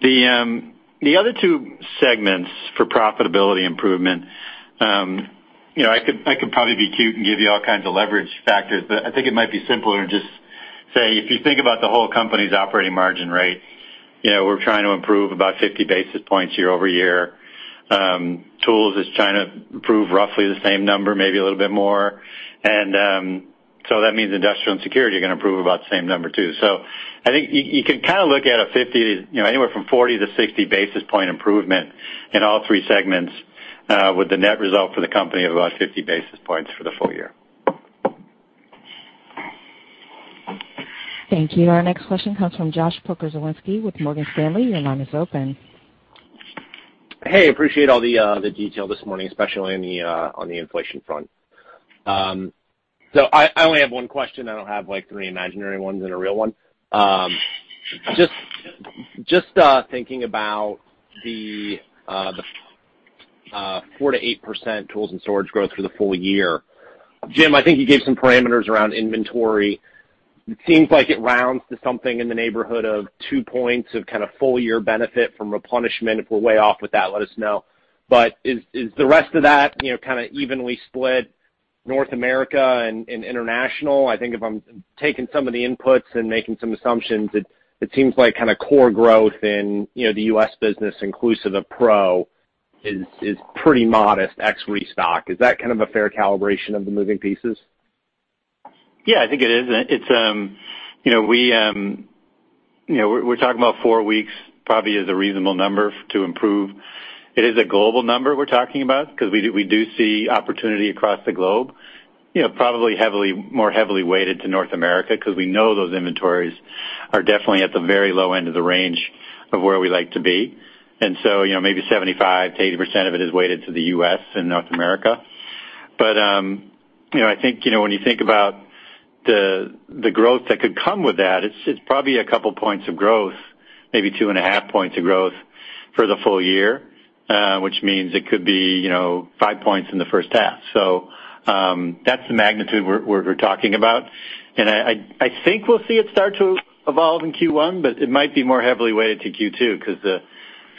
Speaker 4: The other two segments for profitability improvement, I could probably be cute and give you all kinds of leverage factors, but I think it might be simpler to just say, if you think about the whole company's operating margin rate, we're trying to improve about 50 basis points year-over-year. Tools is trying to improve roughly the same number, maybe a little bit more. That means Industrial and Security are going to improve about the same number, too. I think you can kind of look at anywhere from 40-60 basis point improvement in all three segments, with the net result for the company of about 50 basis points for the full-year.
Speaker 1: Thank you. Our next question comes from Josh Pokrzywinski with Morgan Stanley. Your line is open.
Speaker 10: Hey, appreciate all the detail this morning, especially on the inflation front. I only have one question. I don't have three imaginary ones and a real one. Just thinking about the 4%-8% Tools and Storage growth for the full-year. Jim, I think you gave some parameters around inventory. It seems like it rounds to something in the neighborhood of two points of kind of full-year benefit from replenishment. If we're way off with that, let us know. Is the rest of that kind of evenly split North America and international? I think if I'm taking some of the inputs and making some assumptions, it seems like a kind of core growth in the U.S. business, inclusive of pro, is pretty modest ex-restock. Is that kind of a fair calibration of the moving pieces?
Speaker 3: Yeah, I think it is. We're talking about four weeks, probably as a reasonable number to improve. It is a global number we're talking about because we do see opportunity across the globe, probably more heavily weighted to North America, because we know those inventories are definitely at the very low end of the range of where we like to be. Maybe 75%-80% of it is weighted to the U.S. and North America. I think when you think about the growth that could come with that, it's probably a couple of points of growth, maybe two and a half points of growth for the full-year, which means it could be five points in the first half. That's the magnitude we're talking about. I think we'll see it start to evolve in Q1, but it might be more heavily weighted to Q2 because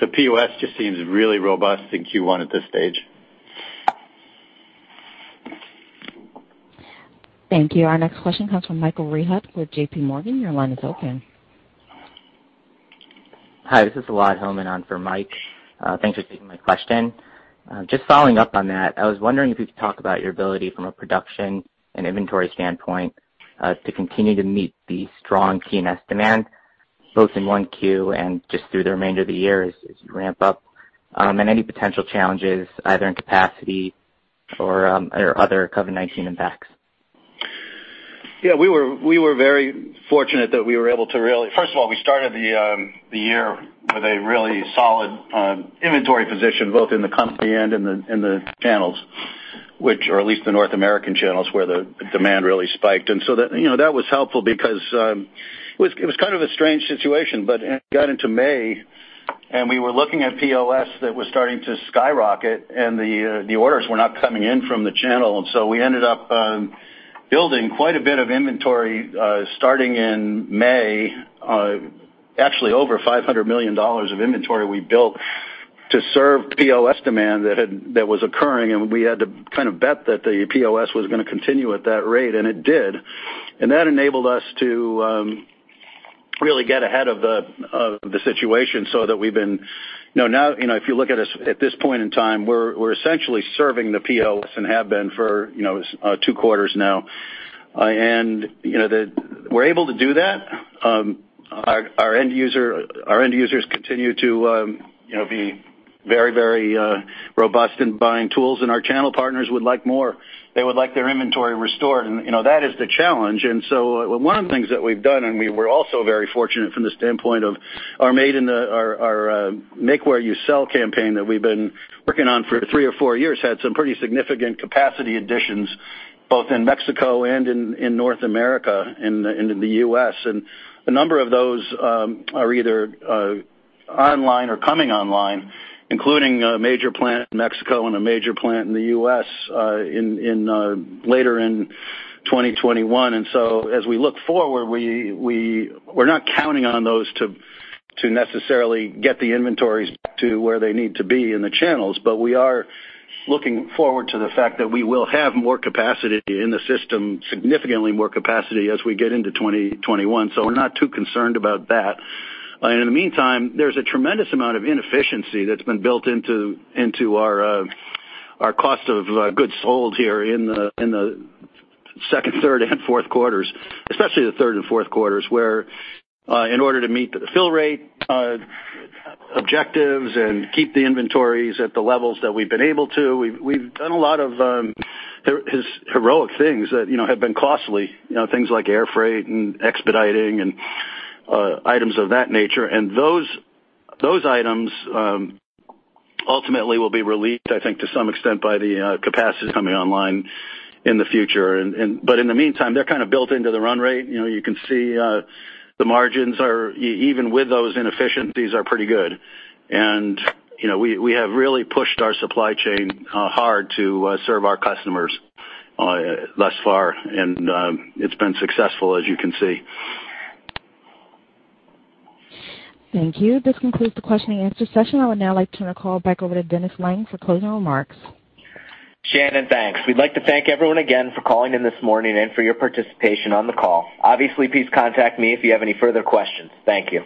Speaker 3: the POS just seems really robust in Q1 at this stage.
Speaker 1: Thank you. Our next question comes from Michael Rehaut with JPMorgan. Your line is open.
Speaker 11: Hi, this is Elad Hillman on for Mike. Thanks for taking my question. Following up on that, I was wondering if you could talk about your ability from a production and inventory standpoint to continue to meet the strong POS demand, both in 1Q and just through the remainder of the year as you ramp up. Any potential challenges, either in capacity or other COVID-19 impacts.
Speaker 3: Yeah, we were very fortunate that we were able to. First of all, we started the year with a really solid inventory position, both in the company and in the channels, or at least the North American channels, where the demand really spiked. That was helpful because it was kind of a strange situation. As we got into May, and we were looking at POS that was starting to skyrocket, and the orders were not coming in from the channel. We ended up building quite a bit of inventory starting in May. Actually, over $500 million of inventory we built to serve POS demand that was occurring, and we had to kind of bet that the POS was going to continue at that rate, and it did. That enabled us to really get ahead of the situation so that, now, if you look at us at this point in time, we're essentially serving the POS and have been for two quarters now. We're able to do that. Our end users continue to be very robust in buying tools, and our channel partners would like more. They would like their inventory restored, and that is the challenge. One of the things that we've done, and we were also very fortunate from the standpoint of our Make Where You Sell campaign that we've been working on for three or four years, had some pretty significant capacity additions, both in Mexico and in North America and in the U.S. A number of those are either online or coming online, including a major plant in Mexico and a major plant in the U.S. later in 2021. As we look forward, we're not counting on those to necessarily get the inventories back to where they need to be in the channels. We are looking forward to the fact that we will have more capacity in the system, significantly more capacity as we get into 2021. We're not too concerned about that. In the meantime, there's a tremendous amount of inefficiency that's been built into our cost of goods sold here in the second, third, and fourth quarters, especially the third and fourth quarters, where in order to meet the fill rate objectives and keep the inventories at the levels that we've been able to, we've done a lot of heroic things that have been costly. Things like air freight, expediting, and items of that nature. Those items ultimately will be relieved, I think, to some extent by the capacity coming online in the future. In the meantime, they're kind of built into the run rate. You can see the margins, even with those inefficiencies, are pretty good. We have really pushed our supply chain hard to serve our customers thus far, and it's been successful, as you can see.
Speaker 1: Thank you. This concludes the question-and-answer session. I would now like to turn the call back over to Dennis Lange for closing remarks.
Speaker 2: Shannon, thanks. We'd like to thank everyone again for calling in this morning and for your participation on the call. Obviously, please contact me if you have any further questions. Thank you.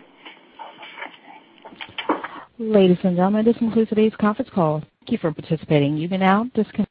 Speaker 1: Ladies and gentlemen, this concludes today's conference call. Thank you for participating. You may now disconnect.